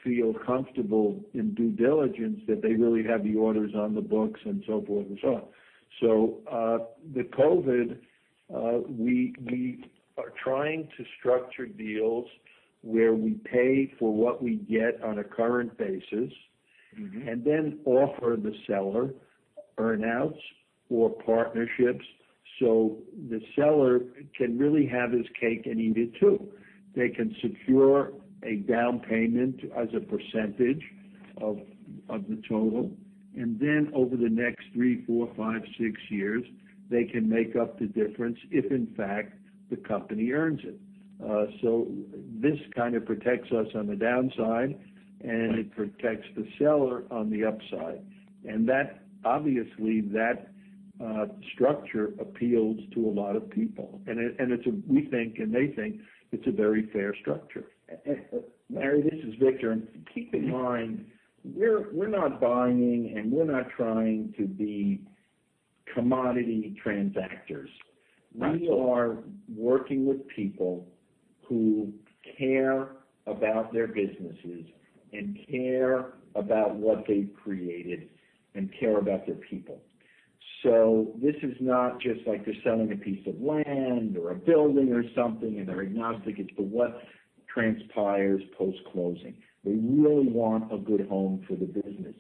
feel comfortable in due diligence that they really have the orders on the books and so forth and so on. With COVID, we are trying to structure deals where we pay for what we get on a current basis. Then offer the seller earn-outs or partnerships so the seller can really have his cake and eat it too. They can secure a down payment as a percentage of the total, then over the next three, four, five, six years, they can make up the difference if, in fact, the company earns it. This kind of protects us on the downside, and it protects the seller on the upside. Structure appeals to a lot of people. We think, and they think, it's a very fair structure. Larry, this is Victor. Keep in mind, we're not buying and we're not trying to be commodity transactors. Right. We are working with people who care about their businesses and care about what they've created and care about their people. This is not just like they're selling a piece of land or a building or something, and they're agnostic as to what transpires post-closing. They really want a good home for the business.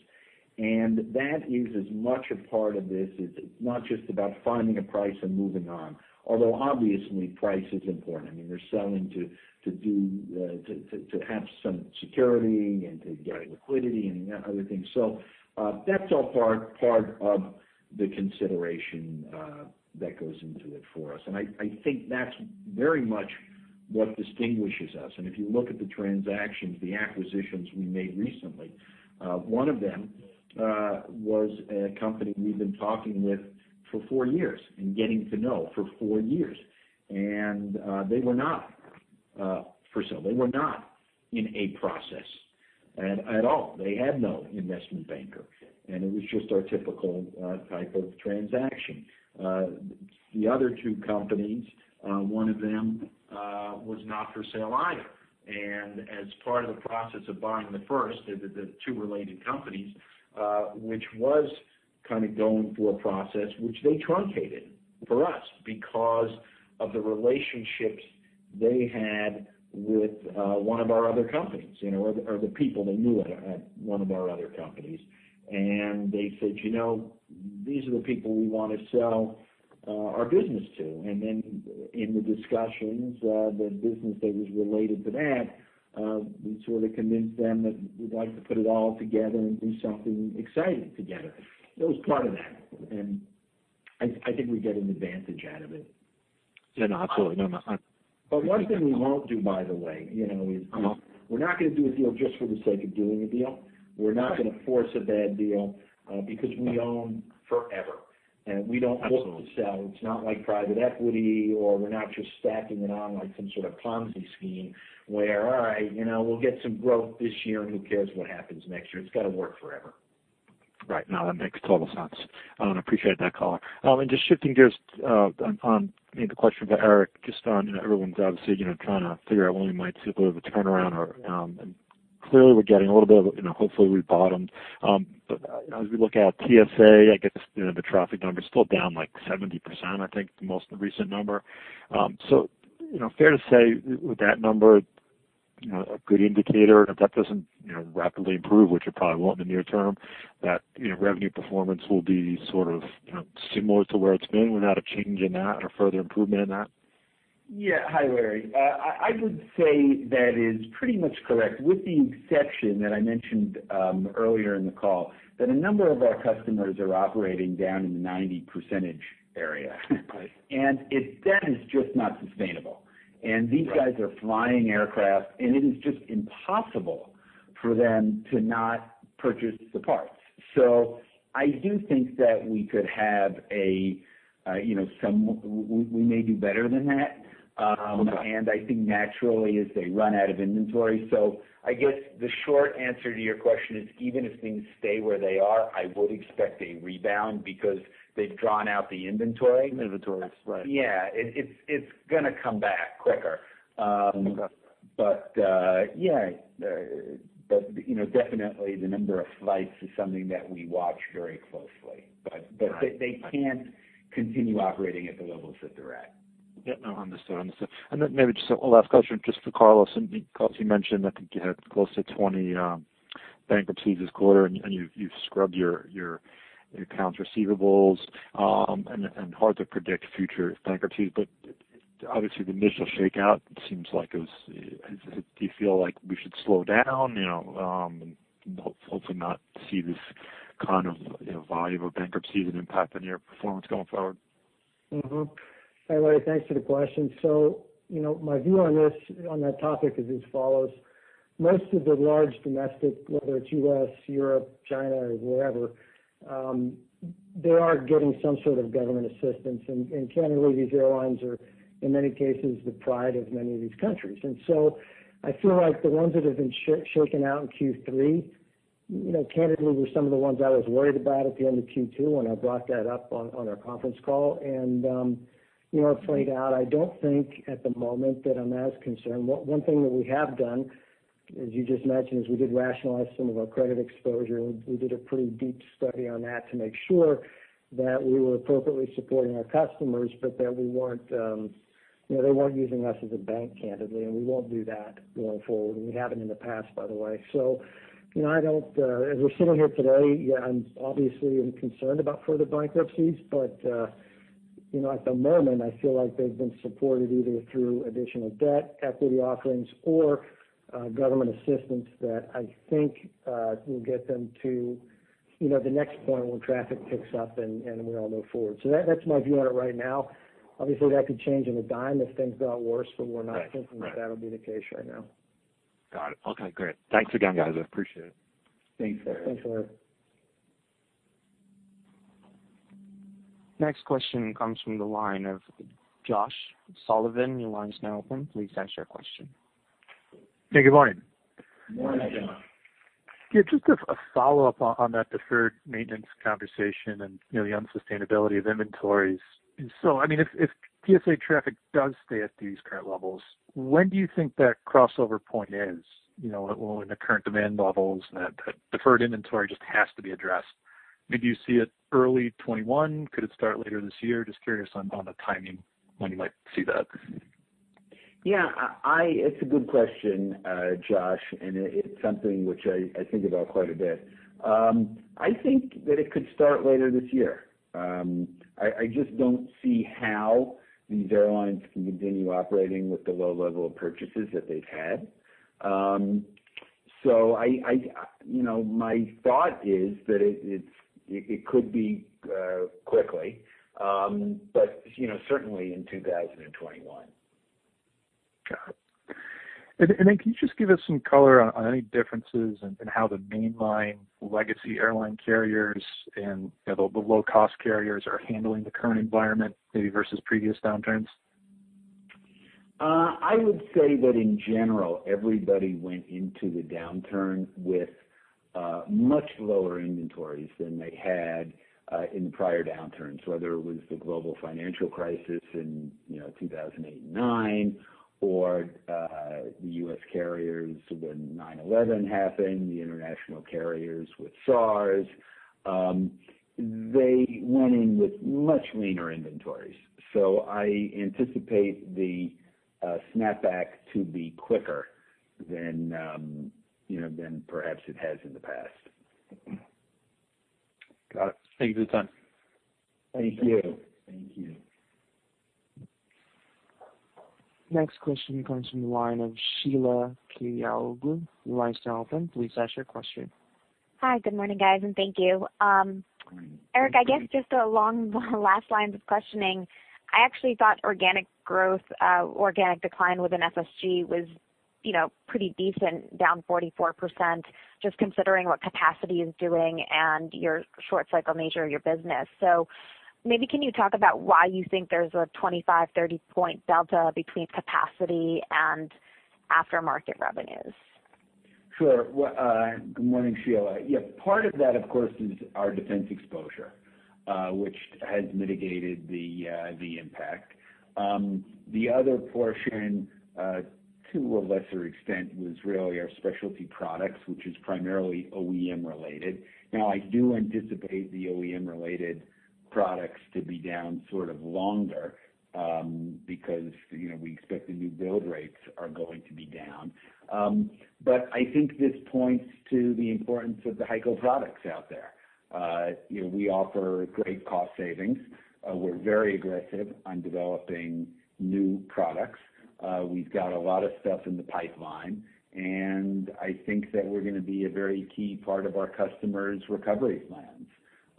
That is as much a part of this, it's not just about finding a price and moving on. Although, obviously, price is important. I mean, they're selling to have some security and to get liquidity and other things. That's all part of the consideration that goes into it for us, and I think that's very much what distinguishes us. If you look at the transactions, the acquisitions we made recently, one of them was a company we've been talking with for four years and getting to know for four years. They were not for sale. They were not in a process at all. They had no investment banker. It was just our typical type of transaction. The other two companies, one of them was not for sale either. As part of the process of buying the first, they are two related companies, which was kind of going through a process which they truncated for us because of the relationships they had with one of our other companies, or the people they knew at one of our other companies. They said, "These are the people we want to sell our business to." In the discussions, the business that was related to that, we sort of convinced them that we would like to put it all together and do something exciting together. It was part of that. I think we get an advantage out of it. Yeah, no, absolutely. One thing we won't do, by the way. We're not going to do a deal just for the sake of doing a deal. We're not going to force a bad deal, because we own forever. Absolutely. We don't look to sell. It's not like private equity, or we're not just stacking it on like some sort of Ponzi scheme where, all right, we'll get some growth this year, and who cares what happens next year? It's got to work forever. Right. No, that makes total sense. I appreciate that, Carlos. Just shifting gears on maybe a question for Eric, just on everyone's obviously trying to figure out when we might see a bit of a turnaround, and clearly we're getting a little bit of it. Hopefully we've bottomed. As we look out, TSA, I guess the traffic numbers still down, like 70%, I think, the most recent number. Fair to say, with that number a good indicator, and if that doesn't rapidly improve, which it probably won't in the near term, that revenue performance will be sort of similar to where it's been without a change in that or further improvement in that? Hi, Larry. I would say that is pretty much correct, with the exception that I mentioned earlier in the call, that a number of our customers are operating down in the 90% area. Right. That is just not sustainable. Right. These guys are flying aircraft, and it is just impossible for them to not purchase the parts. I do think that we may do better than that. Okay. I think naturally, as they run out of inventory, so I guess the short answer to your question is, even if things stay where they are, I would expect a rebound because they've drawn out the inventory. Inventory, right. Yeah. It's going to come back quicker. Okay. Yeah. Definitely the number of flights is something that we watch very closely. Right. They can't continue operating at the levels that they're at. Yeah, no, understood. Then maybe just one last question, just for Carlos, because you mentioned, I think you had close to 20 bankruptcies this quarter, and you've scrubbed your accounts receivables, and hard to predict future bankruptcies. Obviously the initial shakeout, do you feel like we should slow down, and hopefully not see this kind of volume of bankruptcies and impact on your performance going forward? Hey, Larry. Thanks for the question. My view on this, on that topic is as follows. Most of the large domestic, whether it's U.S., Europe, China, or wherever, they are getting some sort of government assistance. Candidly, these airlines are, in many cases, the pride of many of these countries. I feel like the ones that have been shaken out in Q3, candidly, were some of the ones I was worried about at the end of Q2 when I brought that up on our conference call, and it played out. I don't think at the moment that I'm as concerned. One thing that we have done, as you just mentioned, is we did rationalize some of our credit exposure. We did a pretty deep study on that to make sure that we were appropriately supporting our customers, but that they weren't using us as a bank, candidly, and we won't do that going forward. We haven't in the past, by the way. As we're sitting here today, yeah, obviously I'm concerned about further bankruptcies, but at the moment, I feel like they've been supported either through additional debt, equity offerings, or government assistance that I think will get them to the next point when traffic picks up and we all move forward. That's my view on it right now. Obviously, that could change on a dime if things got worse, but we're not- Right thinking that that'll be the case right now. Got it. Okay, great. Thanks again, guys. I appreciate it. Thanks, larry. Thanks, Larry. Next question comes from the line of Josh Sullivan. Your line is now open. Please ask your question. Hey, good morning. Morning. Morning. Yeah, just a follow-up on that deferred maintenance conversation and the unsustainability of inventories. If TSA traffic does stay at these current levels, when do you think that crossover point is, when the current demand levels and that deferred inventory just has to be addressed? Maybe you see it early 2021, could it start later this year? Just curious on the timing when you might see that. Yeah. It's a good question, Josh, and it's something which I think about quite a bit. I think that it could start later this year. I just don't see how these airlines can continue operating with the low level of purchases that they've had. My thought is that it could be quickly, but certainly in 2021. Got it. Can you just give us some color on any differences in how the mainline legacy airline carriers and the low-cost carriers are handling the current environment maybe versus previous downturns? I would say that in general, everybody went into the downturn with much lower inventories than they had in prior downturns, whether it was the global financial crisis in 2009 or the U.S. carriers when 9/11 happened, the international carriers with SARS. They went in with much leaner inventories. I anticipate the snapback to be quicker than perhaps it has in the past. Got it. Thank you for the time. Thank you. Thank you. Next question comes from the line of Sheila Kahyaoglu. Your line's now open. Please ask your question. Hi, good morning, guys. Thank you. Eric, I guess just along the last lines of questioning, I actually thought organic decline within SSG was pretty decent, down 44%, just considering what capacity is doing and your short cycle nature of your business. Maybe can you talk about why you think there's a 25-30-point delta between capacity and aftermarket revenues? Sure. Good morning, Sheila. Yeah, part of that, of course, is our defense exposure, which has mitigated the impact. The other portion, to a lesser extent, was really our Specialty Products, which is primarily OEM related. Now, I do anticipate the OEM related products to be down sort of longer, because we expect the new build rates are going to be down. I think this points to the importance of the HEICO products out there. We offer great cost savings. We're very aggressive on developing new products. We've got a lot of stuff in the pipeline, and I think that we're going to be a very key part of our customers' recovery plans.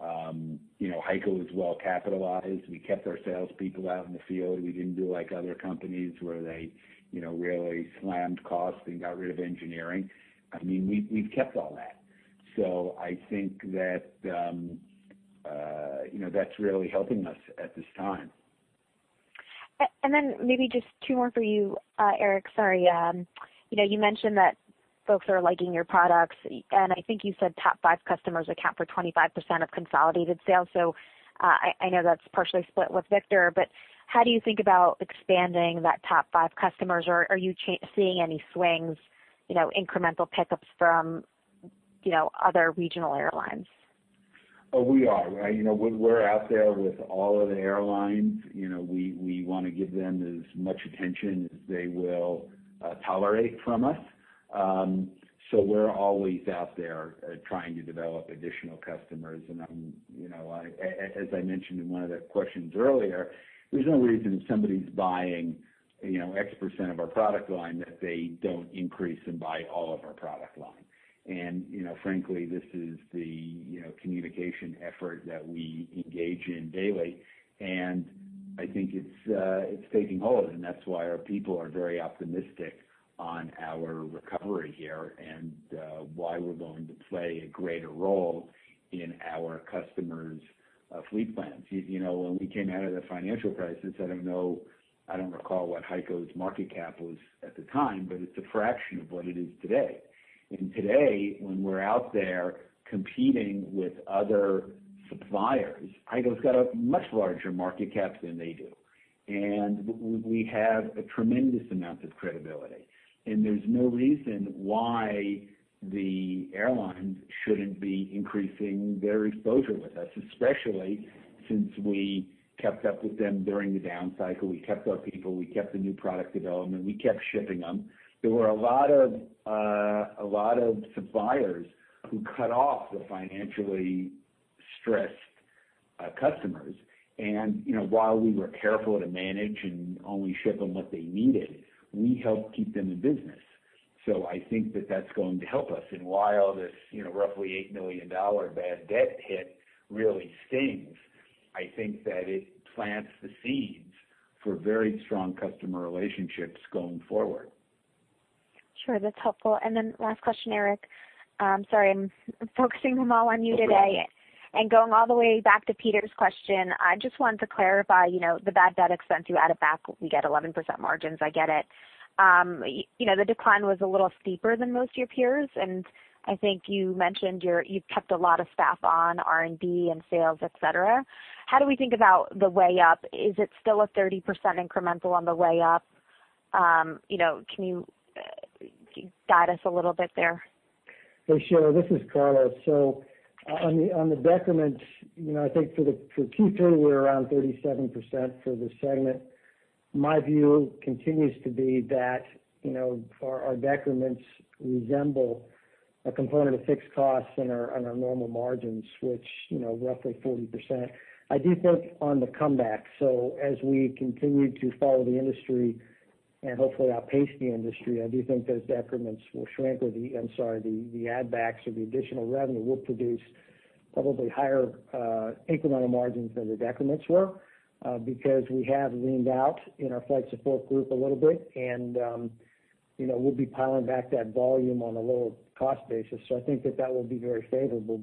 HEICO is well capitalized. We kept our salespeople out in the field. We didn't do like other companies where they really slammed cost and got rid of engineering. We've kept all that. I think that's really helping us at this time. Maybe just two more for you, Eric. Sorry. You mentioned that folks are liking your products, and I think you said top five customers account for 25% of consolidated sales. I know that's partially split with Victor, but how do you think about expanding that top five customers, or are you seeing any swings, incremental pickups from other regional airlines? Oh, we are. We're out there with all of the airlines. We want to give them as much attention as they will tolerate from us. We're always out there trying to develop additional customers, and as I mentioned in one of the questions earlier, there's no reason if somebody's buying X% of our product line that they don't increase and buy all of our product line. Frankly, this is the communication effort that we engage in daily, and I think it's taking hold, and that's why our people are very optimistic on our recovery here and why we're going to play a greater role in our customers' fleet plans. When we came out of the financial crisis, I don't recall what HEICO's market cap was at the time, but it's a fraction of what it is today. Today, when we're out there competing with other suppliers, HEICO's got a much larger market cap than they do. We have a tremendous amount of credibility. There's no reason why the airlines shouldn't be increasing their exposure with us, especially since we kept up with them during the down cycle. We kept our people, we kept the new product development, we kept shipping them. There were a lot of suppliers who cut off the financially stressed customers. While we were careful to manage and only ship them what they needed, we helped keep them in business. I think that that's going to help us. While this roughly $8 million bad debt hit really stings, I think that it plants the seeds for very strong customer relationships going forward. Sure, that's helpful. Last question, Eric. Sorry, I'm focusing them all on you today. That's okay. Going all the way back to Peter's question, I just wanted to clarify, the bad debt expense, you add it back, we get 11% margins. I get it. The decline was a little steeper than most of your peers, and I think you mentioned you've kept a lot of staff on R&D and sales, et cetera. How do we think about the way up? Is it still a 30% incremental on the way up? Can you guide us a little bit there? Hey, sure. This is Carlos. On the decrements, I think for Q3, we're around 37% for the segment. My view continues to be that our decrements resemble a component of fixed costs on our normal margins, which roughly 40%. I do think on the comeback, as we continue to follow the industry and hopefully outpace the industry, I do think those decrements will shrink or the add backs or the additional revenue will produce probably higher incremental margins than the decrements were, because we have leaned out in our Flight Support Group a little bit. We'll be piling back that volume on a lower cost basis. I think that will be very favorable.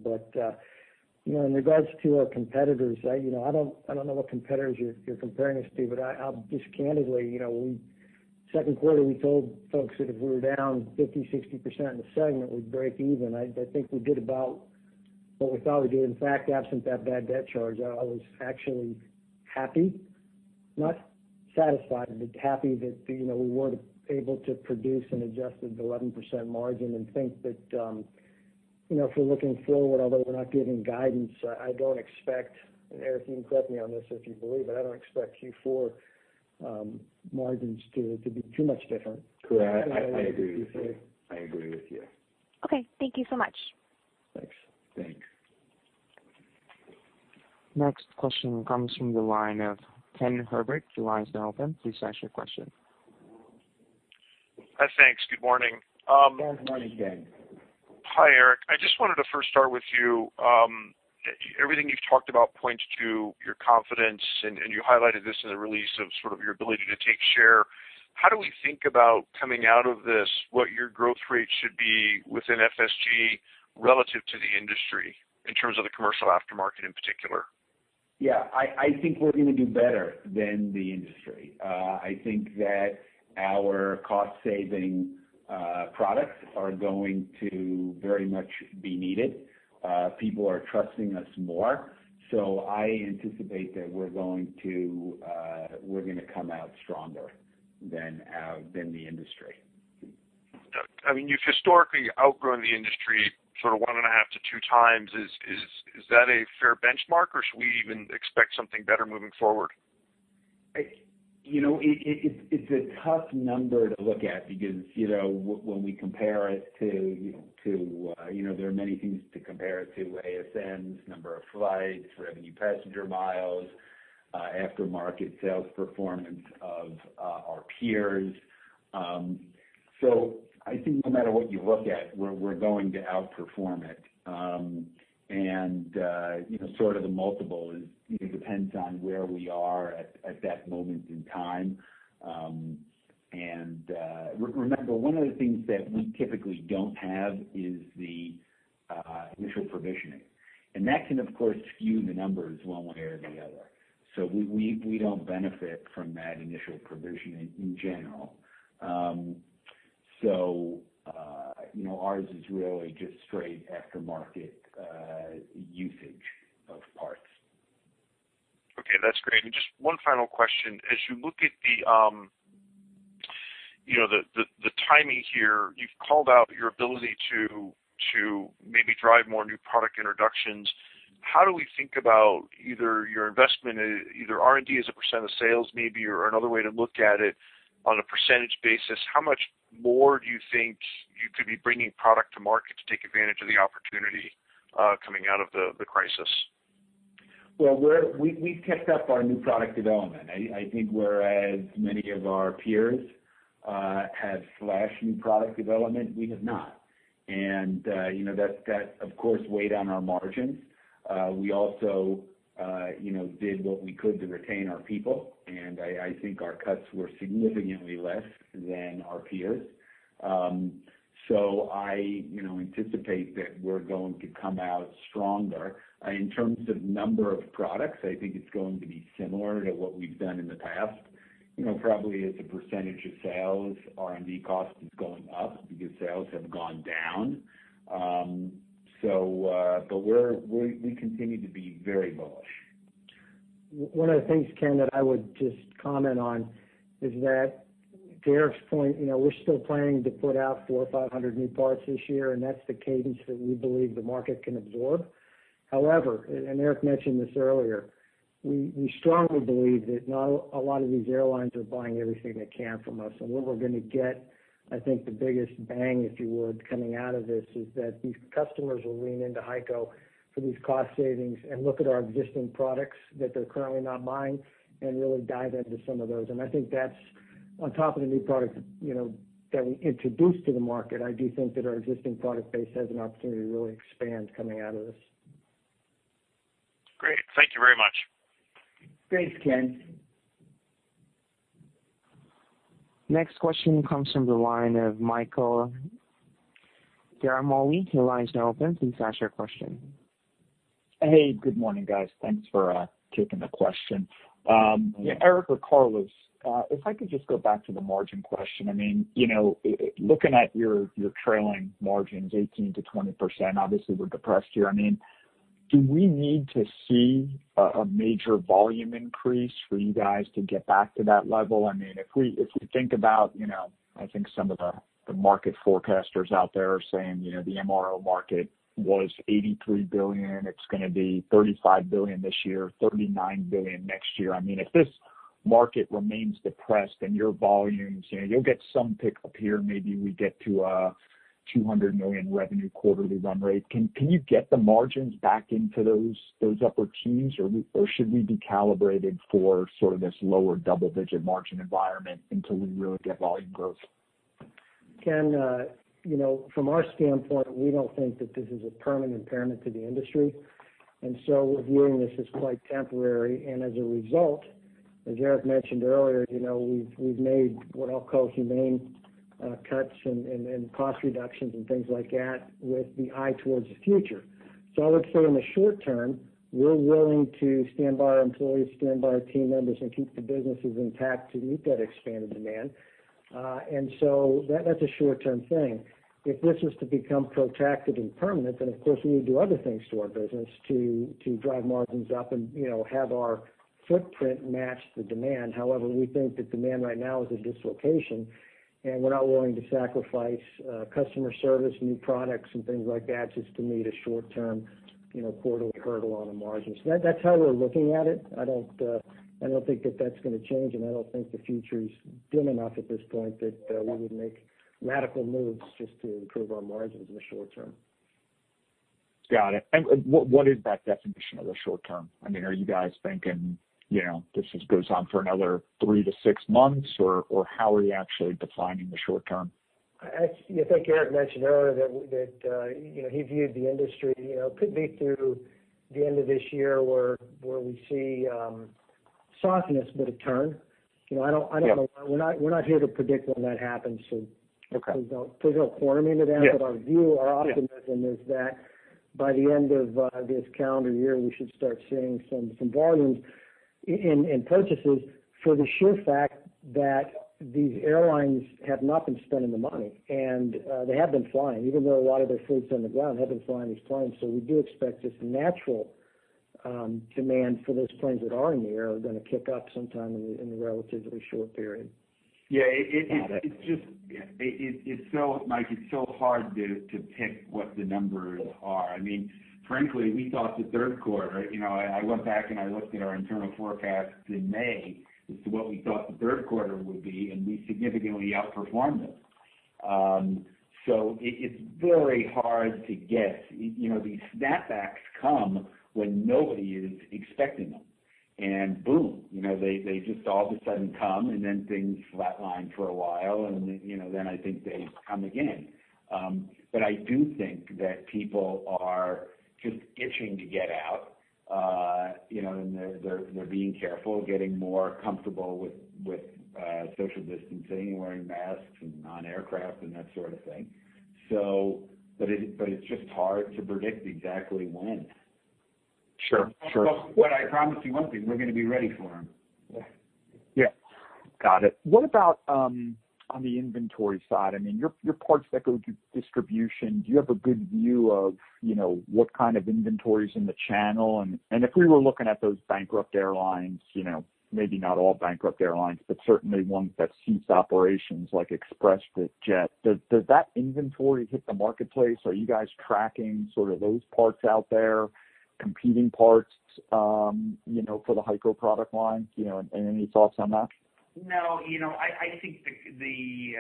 In regards to our competitors, I don't know what competitors you're comparing us to, but I'll just candidly, second quarter, we told folks that if we were down 50%-60% in the segment, we'd break even. I think we did about what we thought we'd do. In fact, absent that bad debt charge, I was actually happy. Not satisfied, but happy that we were able to produce an adjusted 11% margin and think that, if we're looking forward, although we're not giving guidance, I don't expect, and Eric, you can correct me on this if you believe it, I don't expect Q4 margins to be too much different. Correct. I agree with you. Okay. Thank you so much. Thanks. Thanks. Next question comes from the line of Ken Herbert. Your line's now open. Please ask your question. Hi, thanks. Good morning. Good morning, Ken. Hi, Eric. I just wanted to first start with you. Everything you've talked about points to your confidence, and you highlighted this in the release of sort of your ability to take share. How do we think about coming out of this, what your growth rate should be within FSG relative to the industry in terms of the commercial aftermarket in particular? Yeah. I think we're going to do better than the industry. I think that our cost-saving products are going to very much be needed. People are trusting us more. I anticipate that we're going to come out stronger than the industry. I mean, you've historically outgrown the industry sort of one and a half to two times. Is that a fair benchmark, or should we even expect something better moving forward? It's a tough number to look at because when we compare it to, there are many things to compare it to, ASN's number of flights, revenue passenger miles, aftermarket sales performance of our peers. I think no matter what you look at, we're going to outperform it. Sort of the multiple depends on where we are at that moment in time. Remember, one of the things that we typically don't have is the initial provisioning. That can, of course, skew the numbers one way or the other. We don't benefit from that initial provisioning in general. Ours is really just straight aftermarket usage of parts. Okay, that's great. Just one final question. As you look at the timing here, you've called out your ability to maybe drive more new product introductions. How do we think about either your investment in either R&D as a % of sales, maybe, or another way to look at it on a percentage basis, how much more do you think you could be bringing product to market to take advantage of the opportunity coming out of the crisis? Well, we've kept up our new product development. I think whereas many of our peers have slashed new product development, we have not. That, of course, weighed on our margins. We also did what we could to retain our people, and I think our cuts were significantly less than our peers. I anticipate that we're going to come out stronger. In terms of number of products, I think it's going to be similar to what we've done in the past. Probably as a % of sales, R&D cost is going up because sales have gone down. We continue to be very bullish. One of the things, Ken, that I would just comment on is that to Eric's point, we're still planning to put out 400 or 500 new parts this year. That's the cadence that we believe the market can absorb. However, Eric mentioned this earlier, we strongly believe that not a lot of these airlines are buying everything they can from us. Where we're going to get, I think, the biggest bang, if you would, coming out of this is that these customers will lean into HEICO for these cost savings and look at our existing products that they're currently not buying and really dive into some of those. I think that's on top of the new products that we introduced to the market, I do think that our existing product base has an opportunity to really expand coming out of this. Great. Thank you very much. Thanks, Ken. Next question comes from the line of Michael Ciarmoli. Your line is now open. Please ask your question. Hey, good morning, guys. Thanks for taking the question. Eric or Carlos, if I could just go back to the margin question. Looking at your trailing margins, 18%-20%, obviously we're depressed here. Do we need to see a major volume increase for you guys to get back to that level? If we think about some of the market forecasters out there are saying, the MRO market was $83 billion, it's going to be $35 billion this year, $39 billion next year. If this market remains depressed and your volumes, you'll get some pick up here, maybe we get to $200 million revenue quarterly run rate. Can you get the margins back into those upper teens, or should we be calibrated for sort of this lower double-digit margin environment until we really get volume growth? Ken, from our standpoint, we don't think that this is a permanent impairment to the industry. We're viewing this as quite temporary, and as a result, as Eric mentioned earlier, we've made what I'll call humane cuts and cost reductions and things like that with the eye towards the future. I would say in the short term, we're willing to stand by our employees, stand by our team members, and keep the businesses intact to meet that expanded demand. That's a short-term thing. If this is to become protracted and permanent, of course, we need to do other things to our business to drive margins up and have our footprint match the demand. However, we think that demand right now is a dislocation, and we're not willing to sacrifice customer service, new products, and things like that just to meet a short-term quarterly hurdle on a margin. That's how we're looking at it. I don't think that that's going to change, and I don't think the future's dim enough at this point that we would make radical moves just to improve our margins in the short term. Got it. What is that definition of the short term? Are you guys thinking, this goes on for another 3-6 months, or how are you actually defining the short term? I think Eric mentioned earlier that he viewed the industry could be through the end of this year where we see softness, but a turn. Yeah. I don't know. We're not here to predict when that happens. Okay Please don't corner me into that. Yeah. Our view, our optimism is that by the end of this calendar year, we should start seeing some volumes in purchases for the sheer fact that these airlines have not been spending the money, and they have been flying, even though a lot of their fleet's on the ground, have been flying these planes. We do expect this natural demand for those planes that are in the air are going to kick up sometime in a relatively short period. Yeah. Mike, it's so hard to pick what the numbers are. Frankly, we thought the third quarter, I went back and I looked at our internal forecasts in May as to what we thought the third quarter would be, we significantly outperformed it. It's very hard to guess. These snapbacks come when nobody is expecting them. Boom, they just all of a sudden come, things flatline for a while, I think they come again. I do think that people are just itching to get out, they're being careful, getting more comfortable with social distancing, wearing masks on aircraft, that sort of thing. It's just hard to predict exactly when. Sure. I promise you one thing, we're going to be ready for them. Yeah. Got it. What about on the inventory side? Your parts that go to distribution, do you have a good view of what kind of inventory's in the channel? If we were looking at those bankrupt airlines, maybe not all bankrupt airlines, but certainly ones that ceased operations like ExpressJet, does that inventory hit the marketplace? Are you guys tracking sort of those parts out there, competing parts for the HEICO product line? Any thoughts on that? No. I think the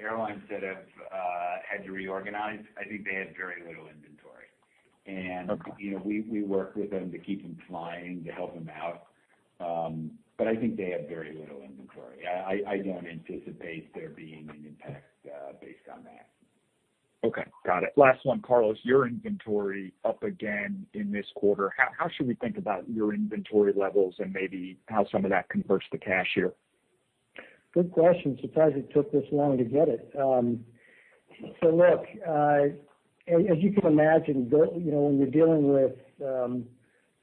airlines that have had to reorganize, I think they had very little inventory. Okay. We work with them to keep them flying, to help them out. I think they have very little inventory. I don't anticipate there being an impact based on that. Okay. Got it. Last one, Carlos. Your inventory up again in this quarter. How should we think about your inventory levels and maybe how some of that converts to cash here? Good question. Surprised it took this long to get it. Look, as you can imagine, when you're dealing with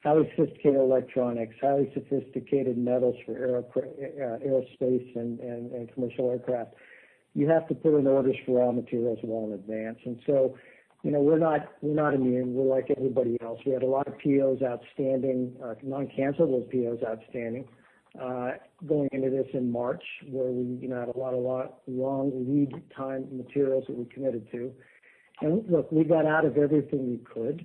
highly sophisticated electronics, highly sophisticated metals for aerospace and commercial aircraft, you have to put in orders for raw materials well in advance. We're not immune. We're like everybody else. We had a lot of POs outstanding, non-cancellable POs outstanding, going into this in March, where we had a lot of long lead time materials that we committed to. Look, we got out of everything we could.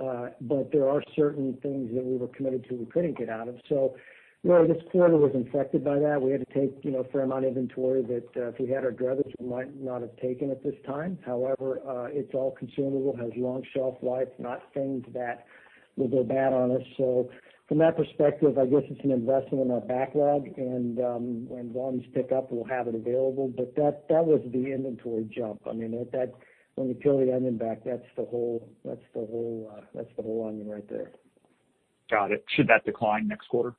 There are certain things that we were committed to we couldn't get out of. This quarter was affected by that. We had to take a fair amount of inventory that if we had our druthers, we might not have taken at this time. It's all consumable, has long shelf life, not things that will go bad on us. From that perspective, I guess it's an investment in our backlog, and when volumes pick up, we'll have it available. That was the inventory jump. When you peel the onion back, that's the whole onion right there. Got it. Should that decline next quarter?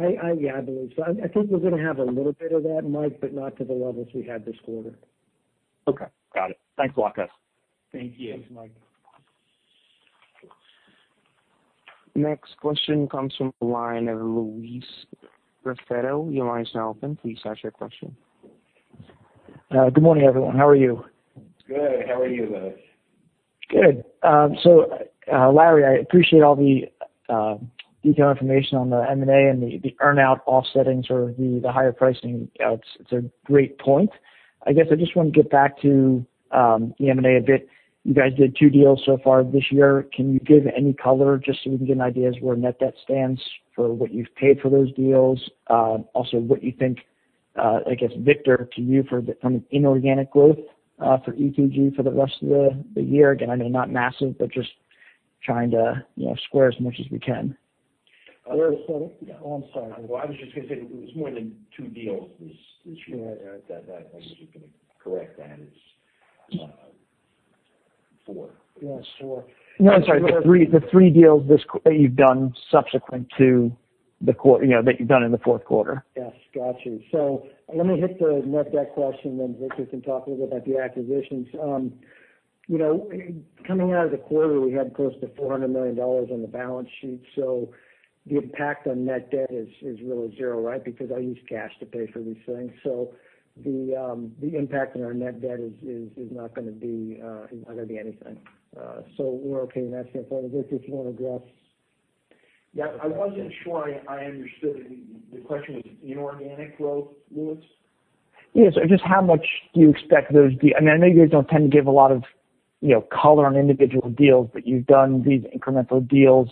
Yeah, I believe so. I think we're going to have a little bit of that, Mike, but not to the levels we had this quarter. Okay. Got it. Thanks a lot, guys. Thank you. Thanks, Mike. Next question comes from the line of Louis Raffetto. Your line is now open. Please ask your question. Good morning, everyone. How are you? Good. How are you, Louis? Good. Larry, I appreciate all the detailed information on the M&A and the earn-out offsetting, sort of the higher pricing. It's a great point. I guess I just want to get back to the M&A a bit. You guys did two deals so far this year. Can you give any color just so we can get an idea as where net debt stands for what you've paid for those deals? Also what you think, I guess Victor, to you from an inorganic growth, for ETG for the rest of the year. Again, I know not massive, but just trying to square as much as we can. Oh, I'm sorry. Well, I was just gonna say it was more than two deals this year. I was just going to correct that. It's four. Yeah, four. No, I'm sorry. The three deals that you've done in the fourth quarter. Yes. Got you. Let me hit the net debt question, then Victor can talk a little about the acquisitions. Coming out of the quarter, we had close to $400 million on the balance sheet. The impact on net debt is really zero because I used cash to pay for these things. The impact on our net debt is not going to be anything. We're okay in that standpoint. Victor, if you want to address Yeah, I wasn't sure I understood. The question was inorganic growth, Louis? Yes. Just how much do you expect those to be? I know you guys don't tend to give a lot of color on individual deals, but you've done these incremental deals.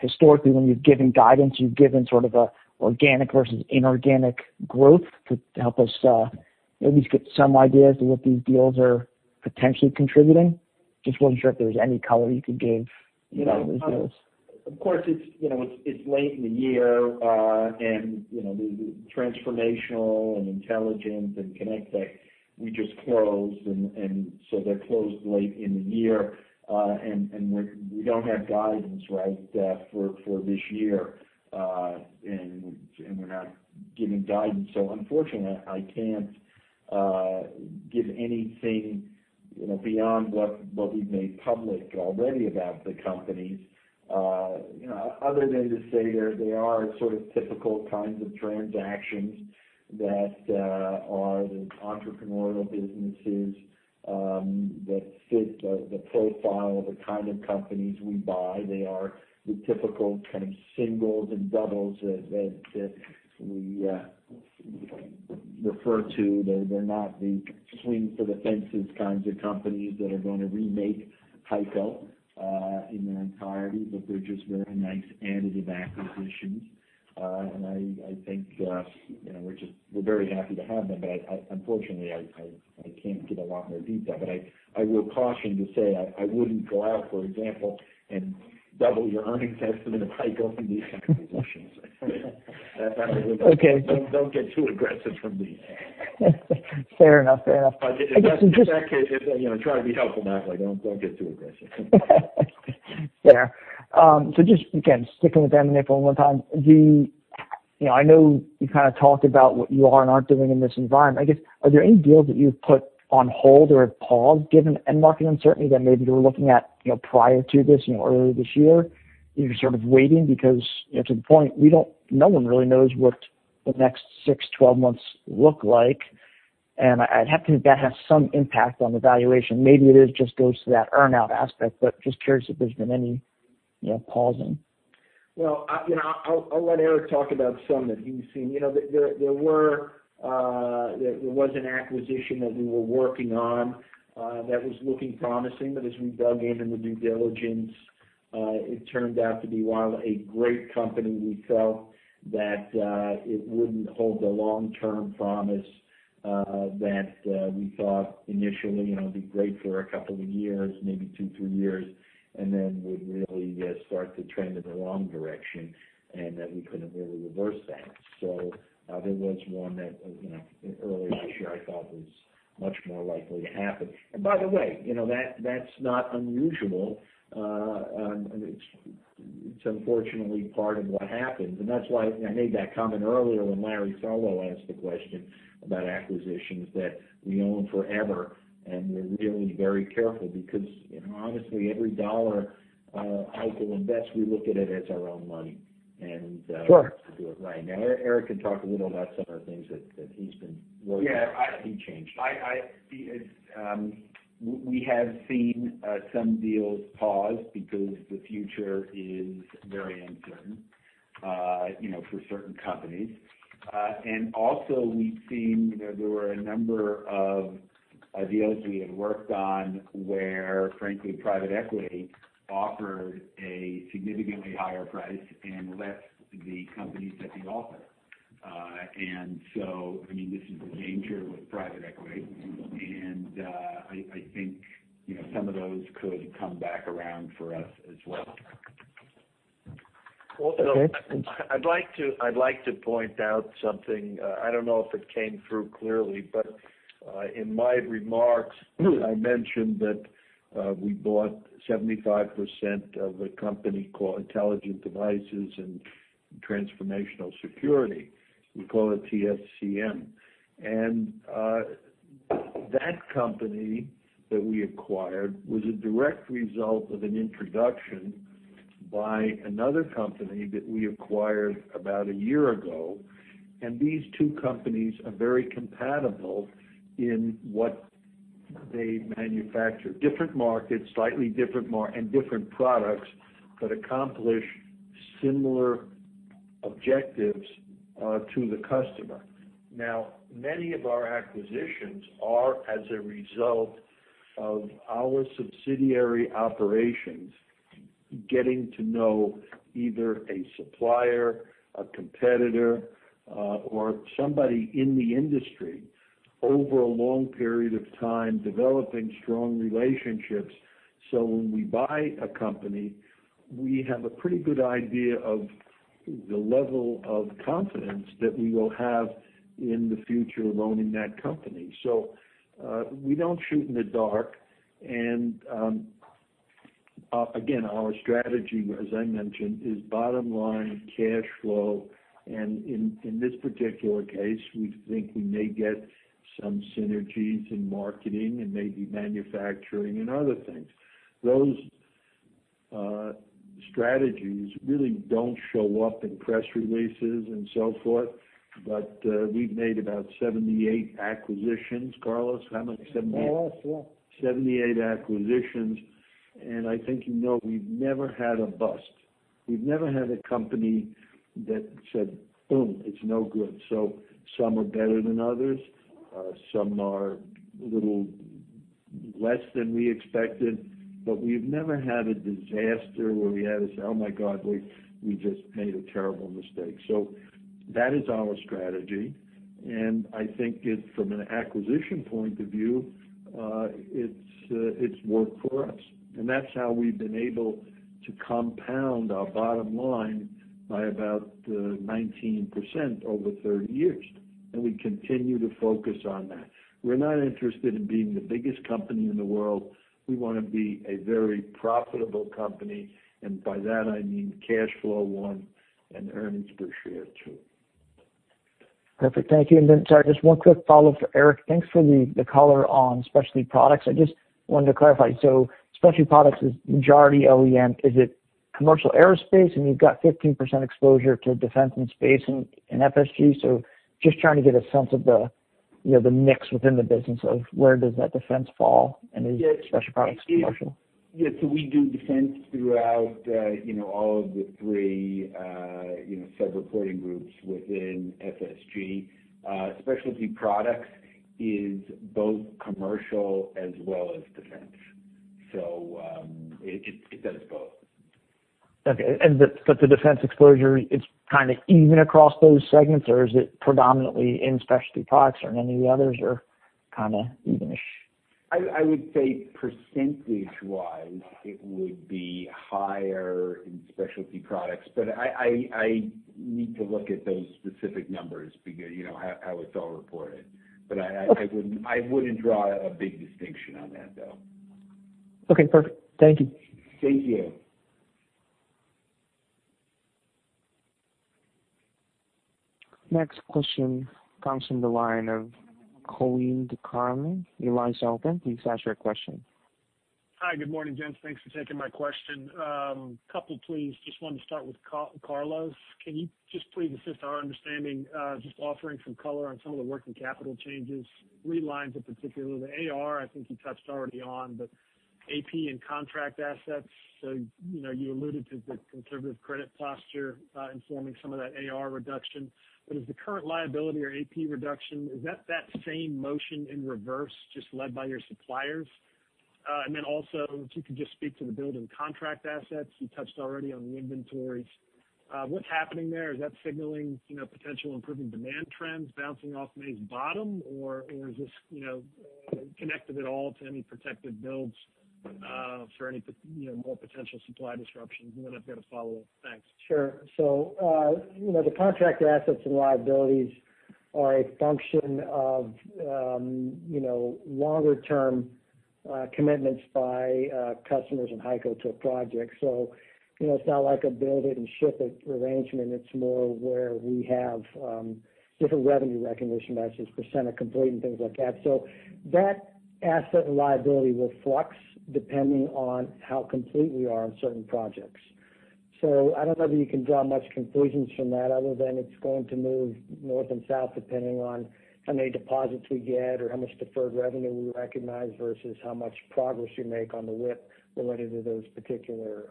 Historically, when you've given guidance, you've given sort of an organic versus inorganic growth to help us at least get some idea as to what these deals are potentially contributing. Just wasn't sure if there was any color you could give on those deals. Of course, it's late in the year, the Transformational and Intelligent and Connect Tech, we just closed, and so they closed late in the year. We don't have guidance right for this year, and we're not giving guidance. Unfortunately, I can't give anything beyond what we've made public already about the companies. Other than to say they are sort of typical kinds of transactions that are the entrepreneurial businesses, that fit the profile of the kind of companies we buy. They are the typical kind of singles and doubles that we refer to. They're not the swing for the fences kinds of companies that are going to remake HEICO in their entirety, but they're just very nice additive acquisitions. I think we're very happy to have them. Unfortunately, I can't give a lot more detail. I will caution to say I wouldn't go out, for example, and double your earnings estimate of HEICO from these acquisitions. Okay. Don't get too aggressive from me. Fair enough. In that case, I try to be helpful, Louis. Don't get too aggressive. Fair. Just, again, sticking with M&A for one more time. I know you kind of talked about what you are and aren't doing in this environment. I guess, are there any deals that you've put on hold or have paused given end market uncertainty that maybe you were looking at prior to this, earlier this year? You're sort of waiting because, to the point, no one really knows what the next six, 12 months look like. I'd have to think that has some impact on the valuation. Maybe it just goes to that earn-out aspect, but just curious if there's been any pausing. Well, I'll let Eric talk about some that he's seen. There was an acquisition that we were working on that was looking promising, as we dug into the due diligence, it turned out to be, while a great company, we felt that it wouldn't hold the long-term promise that we thought initially. It'd be great for a couple of years, maybe two, three years, then would really start to trend in the wrong direction, that we couldn't really reverse that. There was one that earlier this year I thought was much more likely to happen. By the way, that's not unusual. It's unfortunately part of what happens, and that's why I made that comment earlier when Larry Solow asked the question about acquisitions that we own forever, and we're really very careful because honestly, every dollar HEICO invests, we look at it as our own money. Sure. We want to do it right. Eric can talk a little about some of the things that he's been working on. Yeah. He changed. We have seen some deals pause because the future is very uncertain for certain companies. We've seen there were a number of deals we had worked on where, frankly, private equity offered a significantly higher price and left the companies that we offered. This is the danger with private equity. I think some of those could come back around for us as well. Also- Okay, thanks. I'd like to point out something. I don't know if it came through clearly, in my remarks, I mentioned that we bought 75% of a company called Intelligent Devices and Transformational Security. We call it TSCM. That company that we acquired was a direct result of an introduction by another company that we acquired about a year ago. These two companies are very compatible in what they manufacture. Different markets, slightly different, and different products, but accomplish similar objectives to the customer. Now, many of our acquisitions are as a result of our subsidiary operations getting to know either a supplier, a competitor, or somebody in the industry over a long period of time, developing strong relationships. When we buy a company, we have a pretty good idea of the level of confidence that we will have in the future owning that company. We don't shoot in the dark. Again, our strategy, as I mentioned, is bottom line cash flow. In this particular case, we think we may get some synergies in marketing and maybe manufacturing and other things. Those strategies really don't show up in press releases and so forth. We've made about 78 acquisitions. Carlos, how much? 78? Yeah. 78 acquisitions. I think you know we've never had a bust. We've never had a company that said, "Boom, it's no good." Some are better than others. Some are a little less than we expected, but we've never had a disaster where we had to say, "Oh, my God, we just made a terrible mistake." That is our strategy, and I think from an acquisition point of view, it's worked for us. That's how we've been able to compound our bottom line by about 19% over 30 years. We continue to focus on that. We're not interested in being the biggest company in the world. We want to be a very profitable company. By that, I mean cash flow, one, and earnings per share, two. Perfect. Thank you. Sorry, just one quick follow-up for Eric. Thanks for the color on Specialty Products. I just wanted to clarify, Specialty Products is majority OEM. Is it commercial aerospace? You've got 15% exposure to defense and space in FSG. Just trying to get a sense of the mix within the business of where does that defense fall? Yes Specialty Products commercial? Yeah. We do defense throughout all of the three sub-reporting groups within FSG. Specialty Products is both commercial as well as defense. It does both. Okay. The defense exposure, it's even across those segments, or is it predominantly in Specialty Products or in any of the others, or even-ish? I would say percentage-wise it would be higher in Specialty Products, but I need to look at those specific numbers because how it's all reported. I wouldn't draw a big distinction on that, though. Okay, perfect. Thank you. Thank you. Next question comes from the line of Colleen DeCarlo. Your line's open. Please ask your question. Hi. Good morning, gents. Thanks for taking my question. A couple, please. Just wanted to start with Carlos. Can you just please assist our understanding, just offering some color on some of the working capital changes, three lines in particular. The AR, I think you touched already on, AP and contract assets. You alluded to the conservative credit posture informing some of that AR reduction, is the current liability or AP reduction, is that same motion in reverse, just led by your suppliers? Also, if you could just speak to the build in contract assets. You touched already on the inventories. What's happening there? Is that signaling potential improving demand trends bouncing off May's bottom, or is this connected at all to any protective builds for any more potential supply disruptions? I've got a follow-up. Thanks. Sure. The contract assets and liabilities are a function of longer term commitments by customers and HEICO to a project. It's not like a build it and ship it arrangement. It's more where we have different revenue recognition methods, percent of complete and things like that. That asset and liability will flux depending on how complete we are on certain projects. I don't know that you can draw much conclusions from that other than it's going to move north and south depending on how many deposits we get, or how much deferred revenue we recognize versus how much progress we make on the WIP related to those particular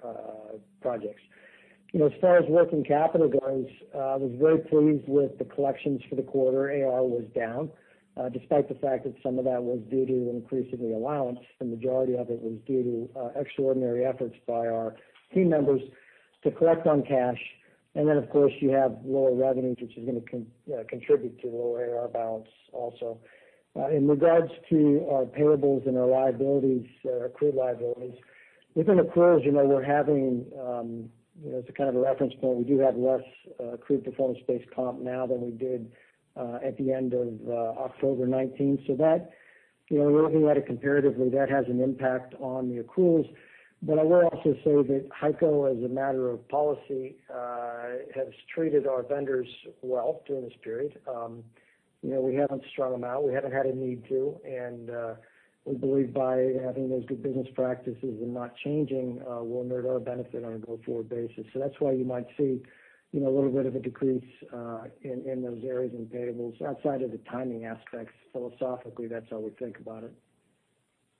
projects. As far as working capital goes, I was very pleased with the collections for the quarter. AR was down. Despite the fact that some of that was due to an increase in the allowance, the majority of it was due to extraordinary efforts by our team members to collect on cash. Of course, you have lower revenues, which is going to contribute to the lower AR balance also. In regards to our payables and our liabilities, our accrued liabilities, within accruals, as a kind of a reference point, we do have less accrued performance-based comp now than we did at the end of October 2019. Looking at it comparatively, that has an impact on the accruals. I will also say that HEICO, as a matter of policy, has treated our vendors well during this period. We haven't strung them out. We haven't had a need to, and we believe by having those good business practices and not changing will inure to our benefit on a go-forward basis. That's why you might see a little bit of a decrease in those areas in payables outside of the timing aspects. Philosophically, that's how we think about it.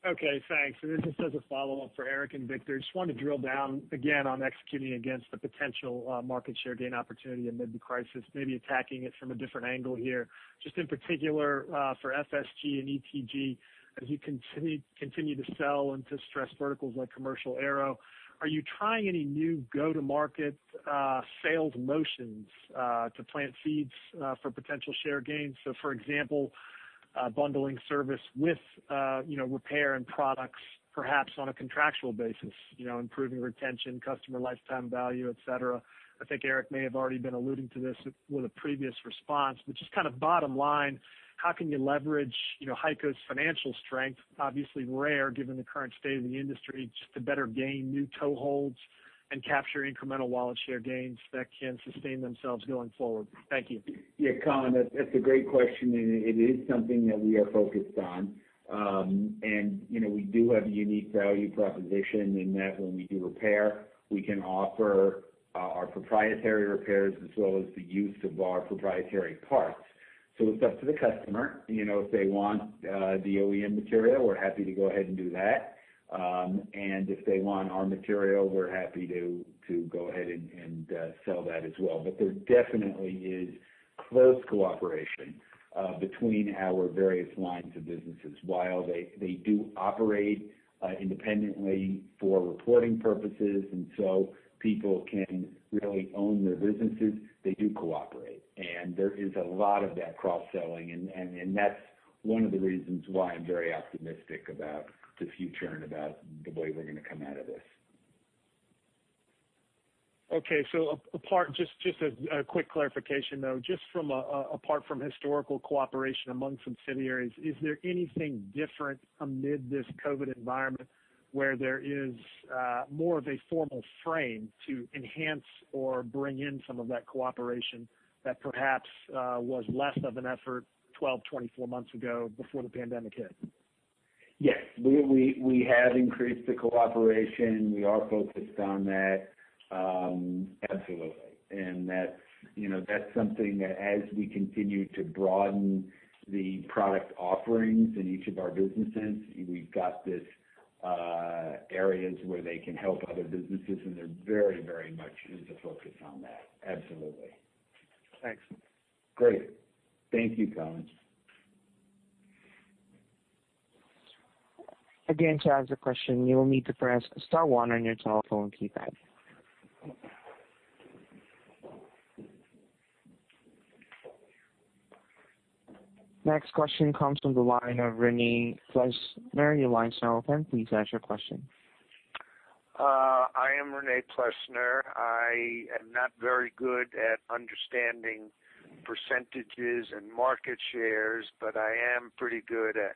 Okay, thanks. This is just a follow-up for Eric and Victor. Just wanted to drill down again on executing against the potential market share gain opportunity amid the crisis, maybe attacking it from a different angle here. Just in particular, for FSG and ETG, as you continue to sell into stressed verticals like commercial aero, are you trying any new go-to-market sales motions to plant seeds for potential share gains? For example, bundling service with repair and products, perhaps on a contractual basis, improving retention, customer lifetime value, et cetera. I think Eric may have already been alluding to this with a previous response, but just kind of bottom line, how can you leverage HEICO's financial strength, obviously rare given the current state of the industry, just to better gain new toeholds and capture incremental wallet share gains that can sustain themselves going forward? Thank you. Yeah, Colleen, that's a great question, and it is something that we are focused on. We do have a unique value proposition in that when we do repair, we can offer our proprietary repairs as well as the use of our proprietary parts. It's up to the customer. If they want the OEM material, we're happy to go ahead and do that. If they want our material, we're happy to go ahead and sell that as well. There definitely is close cooperation between our various lines of businesses. While they do operate independently for reporting purposes and so people can really own their businesses, they do cooperate. There is a lot of that cross-selling, and that's one of the reasons why I'm very optimistic about the future and about the way we're going to come out of this. Okay, just a quick clarification, though. Just apart from historical cooperation amongst subsidiaries, is there anything different amid this COVID environment where there is more of a formal frame to enhance or bring in some of that cooperation that perhaps was less of an effort 12, 24 months ago before the pandemic hit? Yes. We have increased the cooperation. We are focused on that. Absolutely. That's something that as we continue to broaden the product offerings in each of our businesses, we've got these areas where they can help other businesses, and they're very much into focus on that. Absolutely. Thanks. Great. Thank you, Colleen. Again, to ask a question, you will need to press star one on your telephone keypad. Next question comes from the line of René Plessner. Your line's now open. Please ask your question. I am René Plessner. I am not very good at understanding percentages and market shares, but I am pretty good at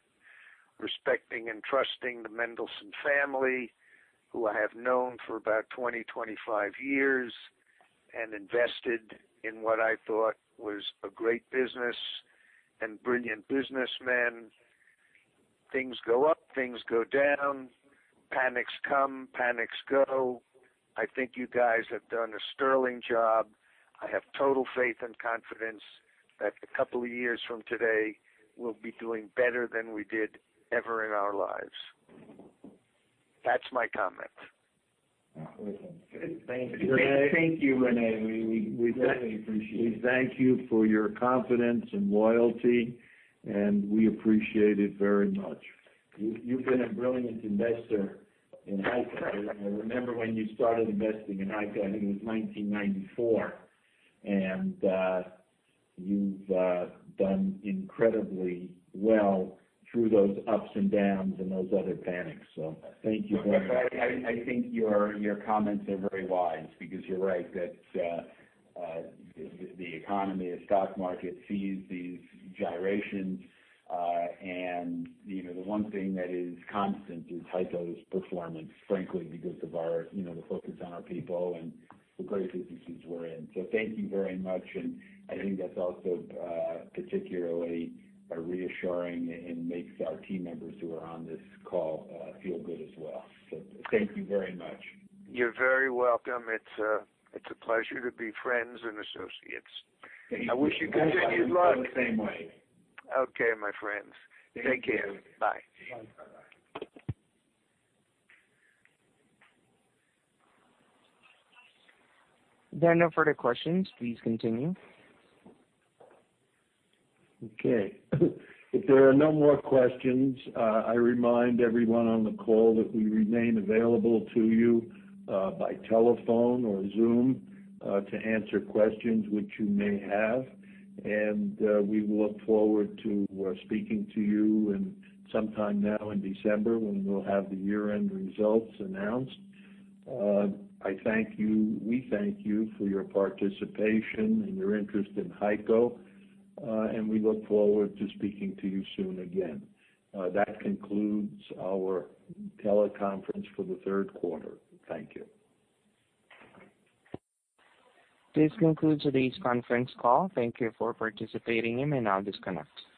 respecting and trusting the Mendelson family, who I have known for about 20, 25 years and invested in what I thought was a great business and brilliant businessmen. Things go up, things go down, panics come, panics go. I think you guys have done a sterling job. I have total faith and confidence that a couple of years from today, we'll be doing better than we did ever in our lives. That's my comment. Awesome. Good. Thank you, René. Thank you, René. We definitely appreciate it. We thank you for your confidence and loyalty. We appreciate it very much. You've been a brilliant investor in HEICO. I remember when you started investing in HEICO. I think it was 1994. You've done incredibly well through those ups and downs and those other panics. Thank you very much. I think your comments are very wise because you're right that the economy, the stock market sees these gyrations. The one thing that is constant is HEICO's performance, frankly, because of the focus on our people and the great businesses we're in. Thank you very much, and I think that's also particularly reassuring and makes our team members who are on this call feel good as well. Thank you very much. You're very welcome. It's a pleasure to be friends and associates. Thank you. I wish you continued luck. Feel the same way. Okay, my friends. Take care. Bye. Bye-bye. There are no further questions. Please continue. Okay. If there are no more questions, I remind everyone on the call that we remain available to you by telephone or Zoom to answer questions which you may have. We will look forward to speaking to you sometime now in December when we'll have the year-end results announced. I thank you, we thank you for your participation and your interest in HEICO. We look forward to speaking to you soon again. That concludes our teleconference for the third quarter. Thank you. This concludes today's conference call. Thank you for participating, and you may now disconnect.